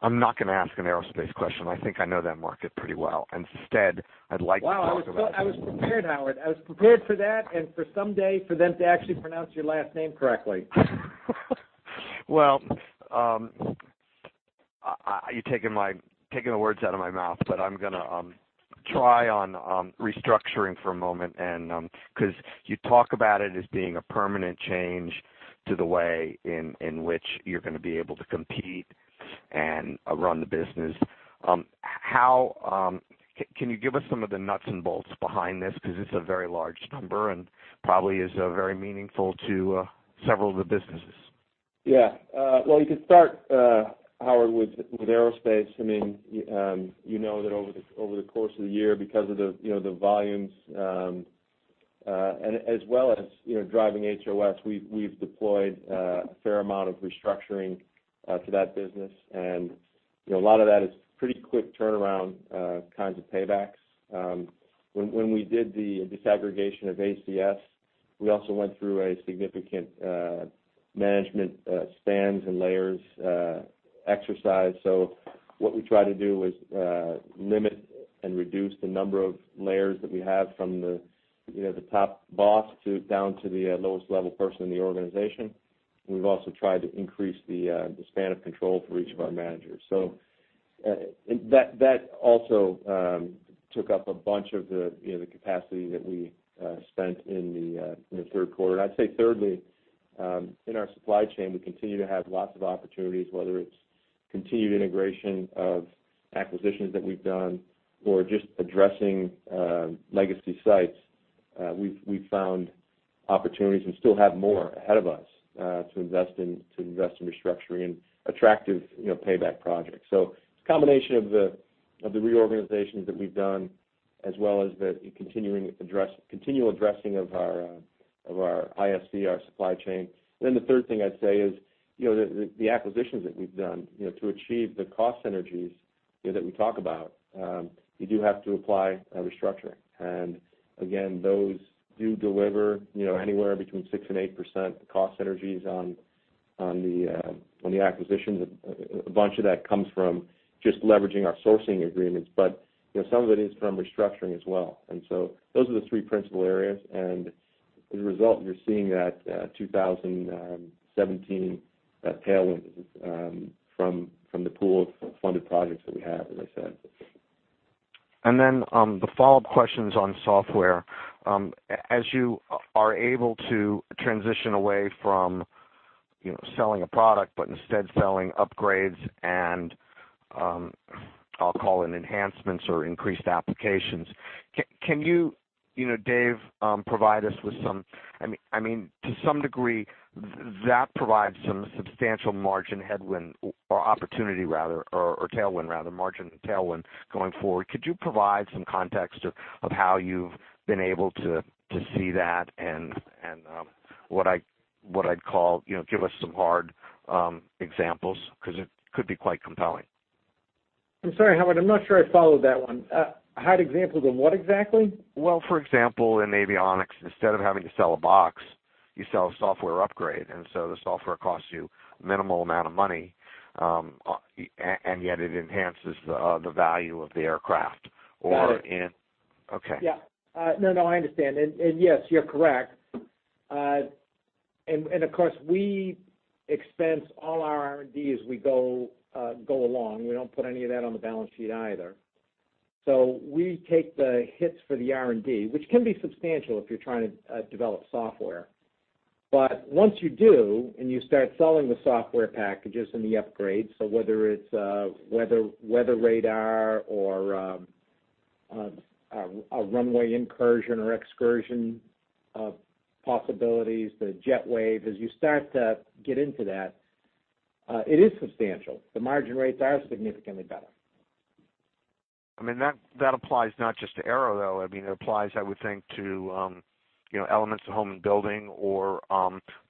I'm not going to ask an aerospace question. I think I know that market pretty well. Instead, I'd like to talk about. Wow, I was prepared, Howard. I was prepared for that and for some day for them to actually pronounce your last name correctly. Well, you're taking the words out of my mouth, I'm going to try on restructuring for a moment, you talk about it as being a permanent change to the way in which you're going to be able to compete and run the business. Can you give us some of the nuts and bolts behind this? It's a very large number and probably is very meaningful to several of the businesses. Well, you could start, Howard, with Aerospace. You know that over the course of the year, because of the volumes, as well as driving HOS, we've deployed a fair amount of restructuring to that business, and a lot of that is pretty quick turnaround kinds of paybacks. When we did the disaggregation of ACS, we also went through a significant management spans and layers exercise. What we try to do is limit and reduce the number of layers that we have from the top boss down to the lowest level person in the organization. We've also tried to increase the span of control for each of our managers. That also took up a bunch of the capacity that we spent in the third quarter. I'd say thirdly, in our supply chain, we continue to have lots of opportunities, whether it's continued integration of acquisitions that we've done or just addressing legacy sites. We've found opportunities and still have more ahead of us to invest in restructuring and attractive payback projects. It's a combination of the reorganizations that we've done as well as the continual addressing of our ISC, our supply chain. The third thing I'd say is the acquisitions that we've done to achieve the cost synergies that we talk about. You do have to apply restructuring. Again, those do deliver anywhere between 6% and 8% cost synergies on the acquisitions. A bunch of that comes from just leveraging our sourcing agreements. Some of it is from restructuring as well. Those are the three principal areas. As a result, you're seeing that 2017 tailwind from the pool of funded projects that we have, as I said. The follow-up question's on software. As you are able to transition away from selling a product, but instead selling upgrades and I'll call it enhancements or increased applications. Dave, provide us with some. To some degree, that provides some substantial margin headwind or opportunity rather, or tailwind rather, margin tailwind going forward. Could you provide some context of how you've been able to see that and what I'd call, give us some hard examples, because it could be quite compelling. I'm sorry, Howard, I'm not sure I followed that one. Hard examples of what exactly? Well, for example, in avionics, instead of having to sell a box, you sell a software upgrade, and so the software costs you a minimal amount of money, and yet it enhances the value of the aircraft. Got it. Okay. Yeah. No, I understand. Yes, you're correct. Of course we expense all our R&D as we go along. We don't put any of that on the balance sheet either. We take the hits for the R&D, which can be substantial if you're trying to develop software. Once you do, and you start selling the software packages and the upgrades, whether it's weather radar or a runway incursion or excursion possibilities, the JetWave. As you start to get into that, it is substantial. The margin rates are significantly better. That applies not just to Aero, though. It applies, I would think, to elements of home and building or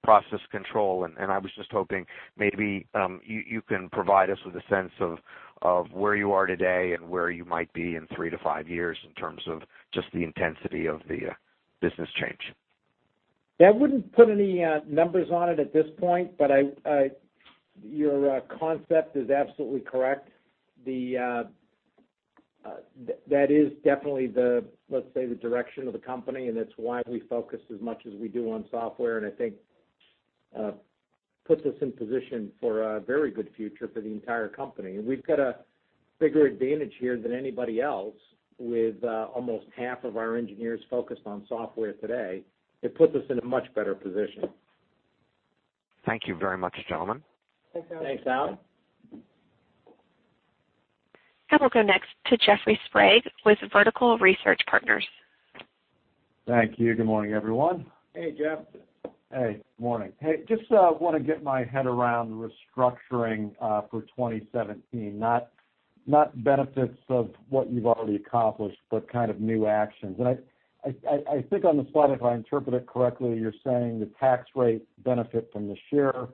process control. I was just hoping maybe you can provide us with a sense of where you are today and where you might be in three to five years in terms of just the intensity of the business change. Yeah, I wouldn't put any numbers on it at this point, but your concept is absolutely correct. That is definitely the, let's say, the direction of the company, and it's why we focus as much as we do on software, and I think puts us in position for a very good future for the entire company. We've got a bigger advantage here than anybody else with almost half of our engineers focused on software today. It puts us in a much better position. Thank you very much, gentlemen. Thanks, Howard. Thanks, Howard. We'll go next to Jeffrey Sprague with Vertical Research Partners. Thank you. Good morning, everyone. Hey, Jeff. Hey, good morning. Just want to get my head around restructuring for 2017, not benefits of what you've already accomplished, but kind of new actions. I think on the slide, if I interpret it correctly, you're saying the tax rate benefit from the share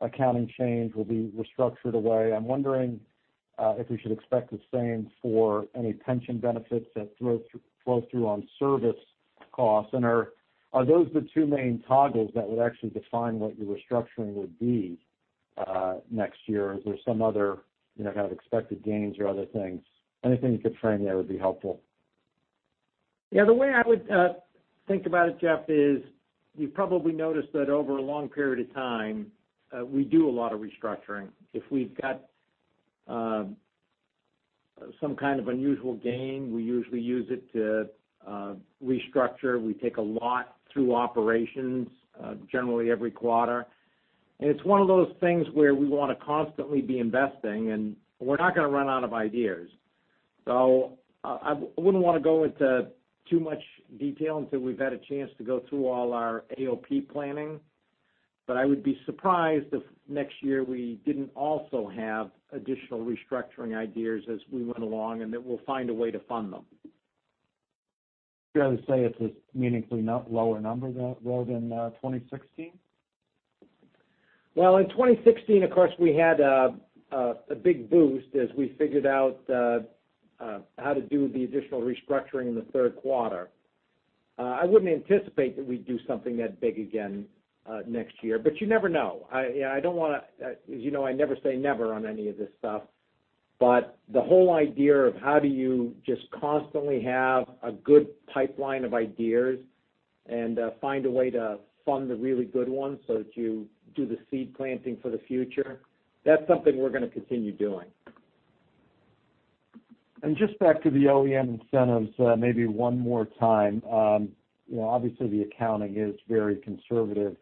accounting change will be restructured away. I'm wondering if we should expect the same for any pension benefits that flow through on service costs, and are those the two main toggles that would actually define what your restructuring would be next year? Or is there some other kind of expected gains or other things? Anything you could frame there would be helpful. Yeah, the way I would think about it, Jeff, is you've probably noticed that over a long period of time, we do a lot of restructuring. If we've got some kind of unusual gain, we usually use it to restructure. We take a lot through operations, generally every quarter. It's one of those things where we want to constantly be investing, and we're not going to run out of ideas. I wouldn't want to go into too much detail until we've had a chance to go through all our AOP planning. I would be surprised if next year we didn't also have additional restructuring ideas as we went along, and that we'll find a way to fund them. Fair to say it's a meaningfully lower number, though, than 2016? In 2016, of course, we had a big boost as we figured out how to do the additional restructuring in the third quarter. I wouldn't anticipate that we'd do something that big again next year, but you never know. As you know, I never say never on any of this stuff. The whole idea of how do you just constantly have a good pipeline of ideas and find a way to fund the really good ones so that you do the seed planting for the future, that's something we're going to continue doing. Just back to the OEM incentives maybe one more time. Obviously, the accounting is very conservative.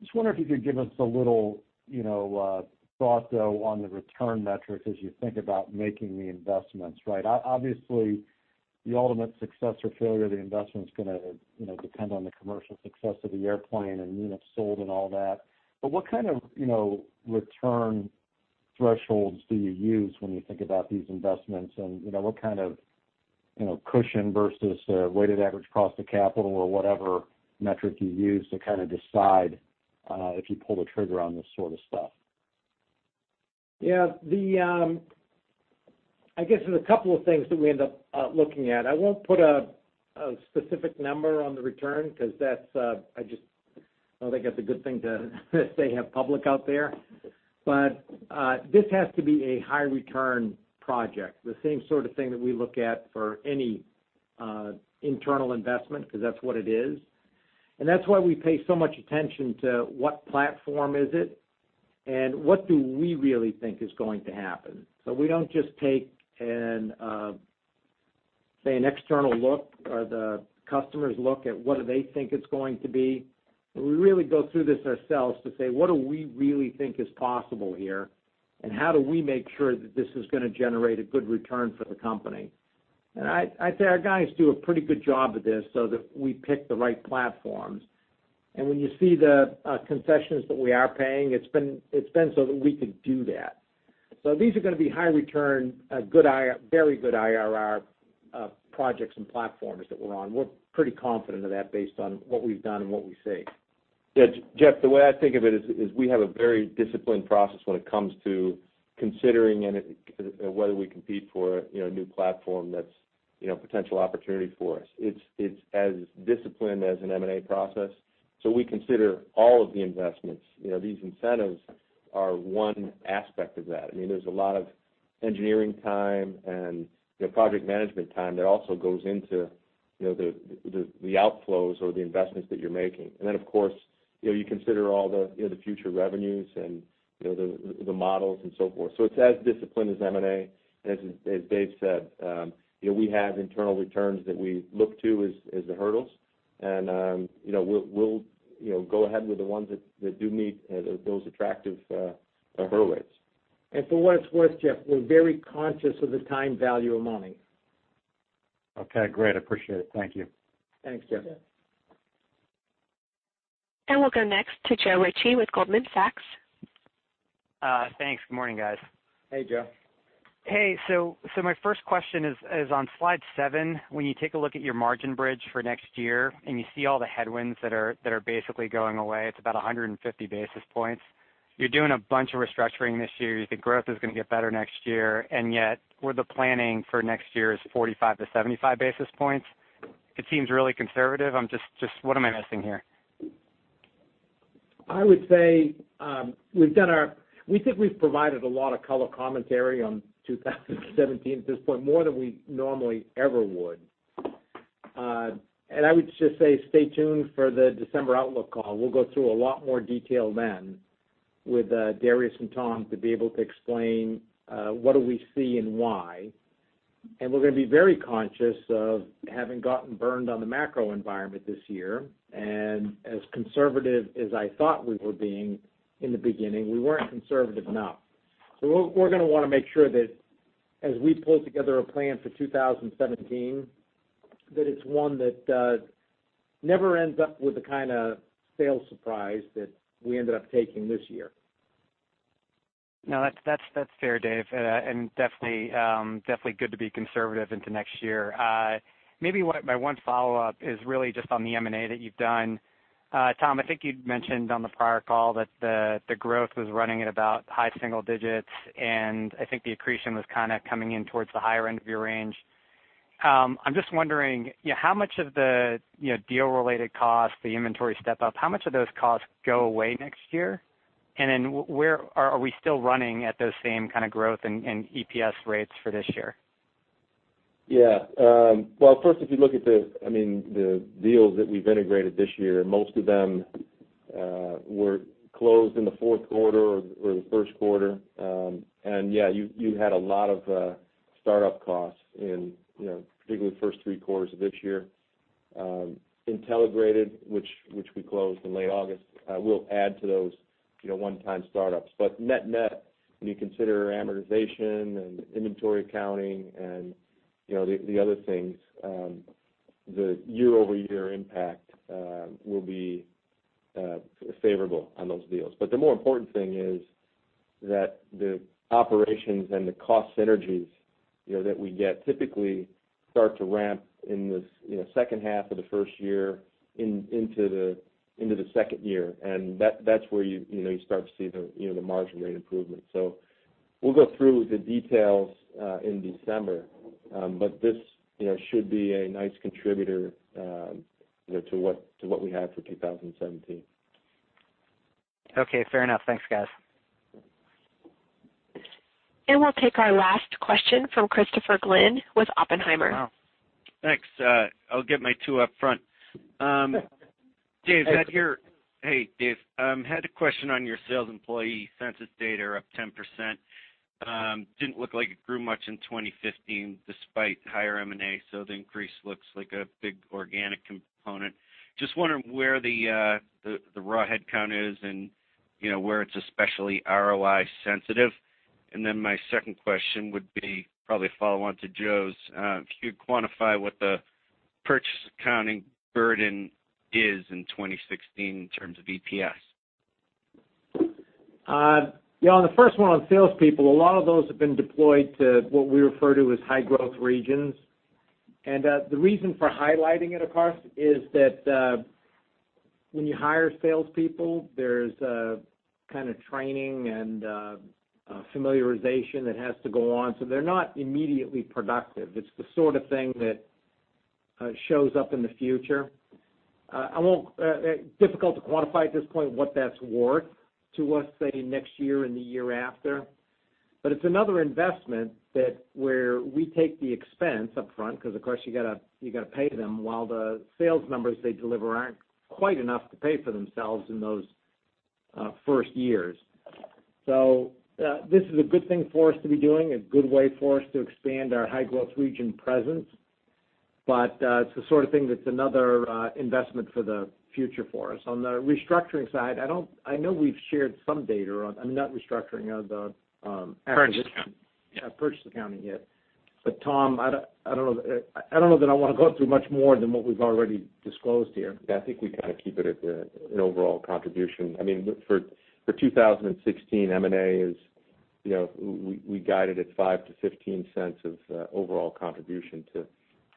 Just wonder if you could give us a little thought, though, on the return metrics as you think about making the investments, right? Obviously, the ultimate success or failure of the investment's going to depend on the commercial success of the airplane and units sold and all that. What kind of return thresholds do you use when you think about these investments, and what kind of cushion versus weighted average cost of capital or whatever metric you use to kind of decide if you pull the trigger on this sort of stuff? Yeah. I guess there's a couple of things that we end up looking at. I won't put a specific number on the return, because that's, I think that's a good thing to say out loud out there. This has to be a high return project, the same sort of thing that we look at for any internal investment, because that's what it is. That's why we pay so much attention to what platform is it, and what do we really think is going to happen. We don't just take, say, an external look or the customer's look at what do they think it's going to be. We really go through this ourselves to say, "What do we really think is possible here, and how do we make sure that this is going to generate a good return for the company?" I'd say our guys do a pretty good job at this so that we pick the right platforms. When you see the concessions that we are paying, it's been so that we could do that. These are going to be high return, very good IRR projects and platforms that we're on. We're pretty confident of that based on what we've done and what we see. Yeah, Jeff, the way I think of it is we have a very disciplined process when it comes to considering whether we compete for a new platform that's a potential opportunity for us. It's as disciplined as an M&A process. We consider all of the investments. These incentives are one aspect of that. There's a lot of engineering time and project management time that also goes into the outflows or the investments that you're making. Of course, you consider all the future revenues and the models and so forth. It's as disciplined as M&A. As Dave said, we have internal returns that we look to as the hurdles. We'll go ahead with the ones that do meet those attractive hurdle rates. For what it's worth, Jeff, we're very conscious of the time value of money. Okay, great. I appreciate it. Thank you. Thanks, Jeff. Yeah. We'll go next to Joe Ritchie with Goldman Sachs. Thanks. Good morning, guys. Hey, Joe. Hey. My first question is on slide seven, when you take a look at your margin bridge for next year, you see all the headwinds that are basically going away. It's about 150 basis points. You're doing a bunch of restructuring this year. You think growth is going to get better next year, yet the planning for next year is 45 to 75 basis points. It seems really conservative. What am I missing here? I would say we think we've provided a lot of color commentary on 2017 at this point, more than we normally ever would. I would just say stay tuned for the December outlook call. We'll go through a lot more detail then with Darius and Tom to be able to explain what do we see and why. We're going to be very conscious of having gotten burned on the macro environment this year. As conservative as I thought we were being in the beginning, we weren't conservative enough. We're going to want to make sure that as we pull together a plan for 2017, that it's one that never ends up with the kind of sales surprise that we ended up taking this year. No, that's fair, Dave, definitely good to be conservative into next year. Maybe my one follow-up is really just on the M&A that you've done. Tom, I think you'd mentioned on the prior call that the growth was running at about high single digits, I think the accretion was kind of coming in towards the higher end of your range. I'm just wondering, how much of the deal-related costs, the inventory step-up, how much of those costs go away next year? Then are we still running at those same kind of growth and EPS rates for this year? First, if you look at the deals that we've integrated this year, most of them were closed in the fourth quarter or the first quarter. You had a lot of startup costs in particularly the first three quarters of this year. Intelligrated, which we closed in late August, will add to those one-time startups. Net net, when you consider amortization and inventory accounting and the other things, the year-over-year impact will be favorable on those deals. The more important thing is that the operations and the cost synergies that we get typically start to ramp in the second half of the first year into the second year, that's where you start to see the margin rate improvement. We'll go through the details in December. This should be a nice contributor to what we have for 2017. Okay, fair enough. Thanks, guys. We'll take our last question from Christopher Glynn with Oppenheimer. Thanks. I'll get my two up front. Hey, Dave. Had a question on your sales employee census data up 10%. Didn't look like it grew much in 2015 despite higher M&A, so the increase looks like a big organic component. Just wondering where the raw headcount is and where it's especially ROI sensitive. My second question would be probably a follow-on to Joe's. Could you quantify what the purchase accounting burden is in 2016 in terms of EPS? Yeah, on the first one on salespeople, a lot of those have been deployed to what we refer to as High Growth Regions. The reason for highlighting it, of course, is that when you hire salespeople, there's a kind of training and familiarization that has to go on. They're not immediately productive. It's the sort of thing that shows up in the future. Difficult to quantify at this point what that's worth to us, say, next year and the year after. It's another investment that where we take the expense up front, because of course you got to pay them while the sales numbers they deliver aren't quite enough to pay for themselves in those first years. This is a good thing for us to be doing, a good way for us to expand our High Growth Region presence. It's the sort of thing that's another investment for the future for us. On the restructuring side, I know we've shared some data on Purchase accounting. Purchase accounting. Tom, I don't know that I want to go through much more than what we've already disclosed here. I think we kind of keep it at an overall contribution. I mean, for 2016, M&A is, we guide it at $0.05-$0.15 of overall contribution to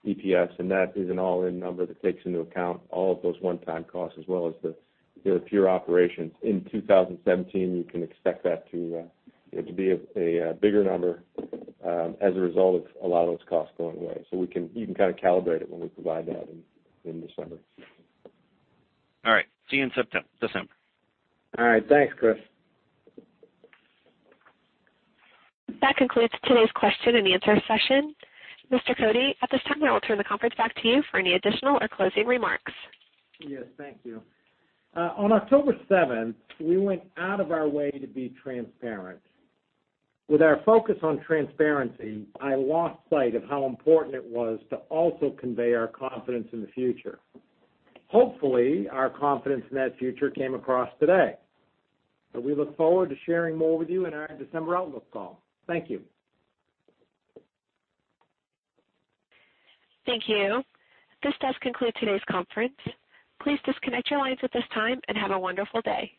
EPS, and that is an all-in number that takes into account all of those one-time costs, as well as the fewer operations. In 2017, you can expect that to be a bigger number as a result of a lot of those costs going away. We can even kind of calibrate it when we provide that in December. All right. See you in December. All right. Thanks, Chris. That concludes today's question and answer session. Mr. Cote, at this time, I will turn the conference back to you for any additional or closing remarks. Yes. Thank you. On October seventh, we went out of our way to be transparent. With our focus on transparency, I lost sight of how important it was to also convey our confidence in the future. Hopefully, our confidence in that future came across today. We look forward to sharing more with you in our December outlook call. Thank you. Thank you. This does conclude today's conference. Please disconnect your lines at this time, and have a wonderful day.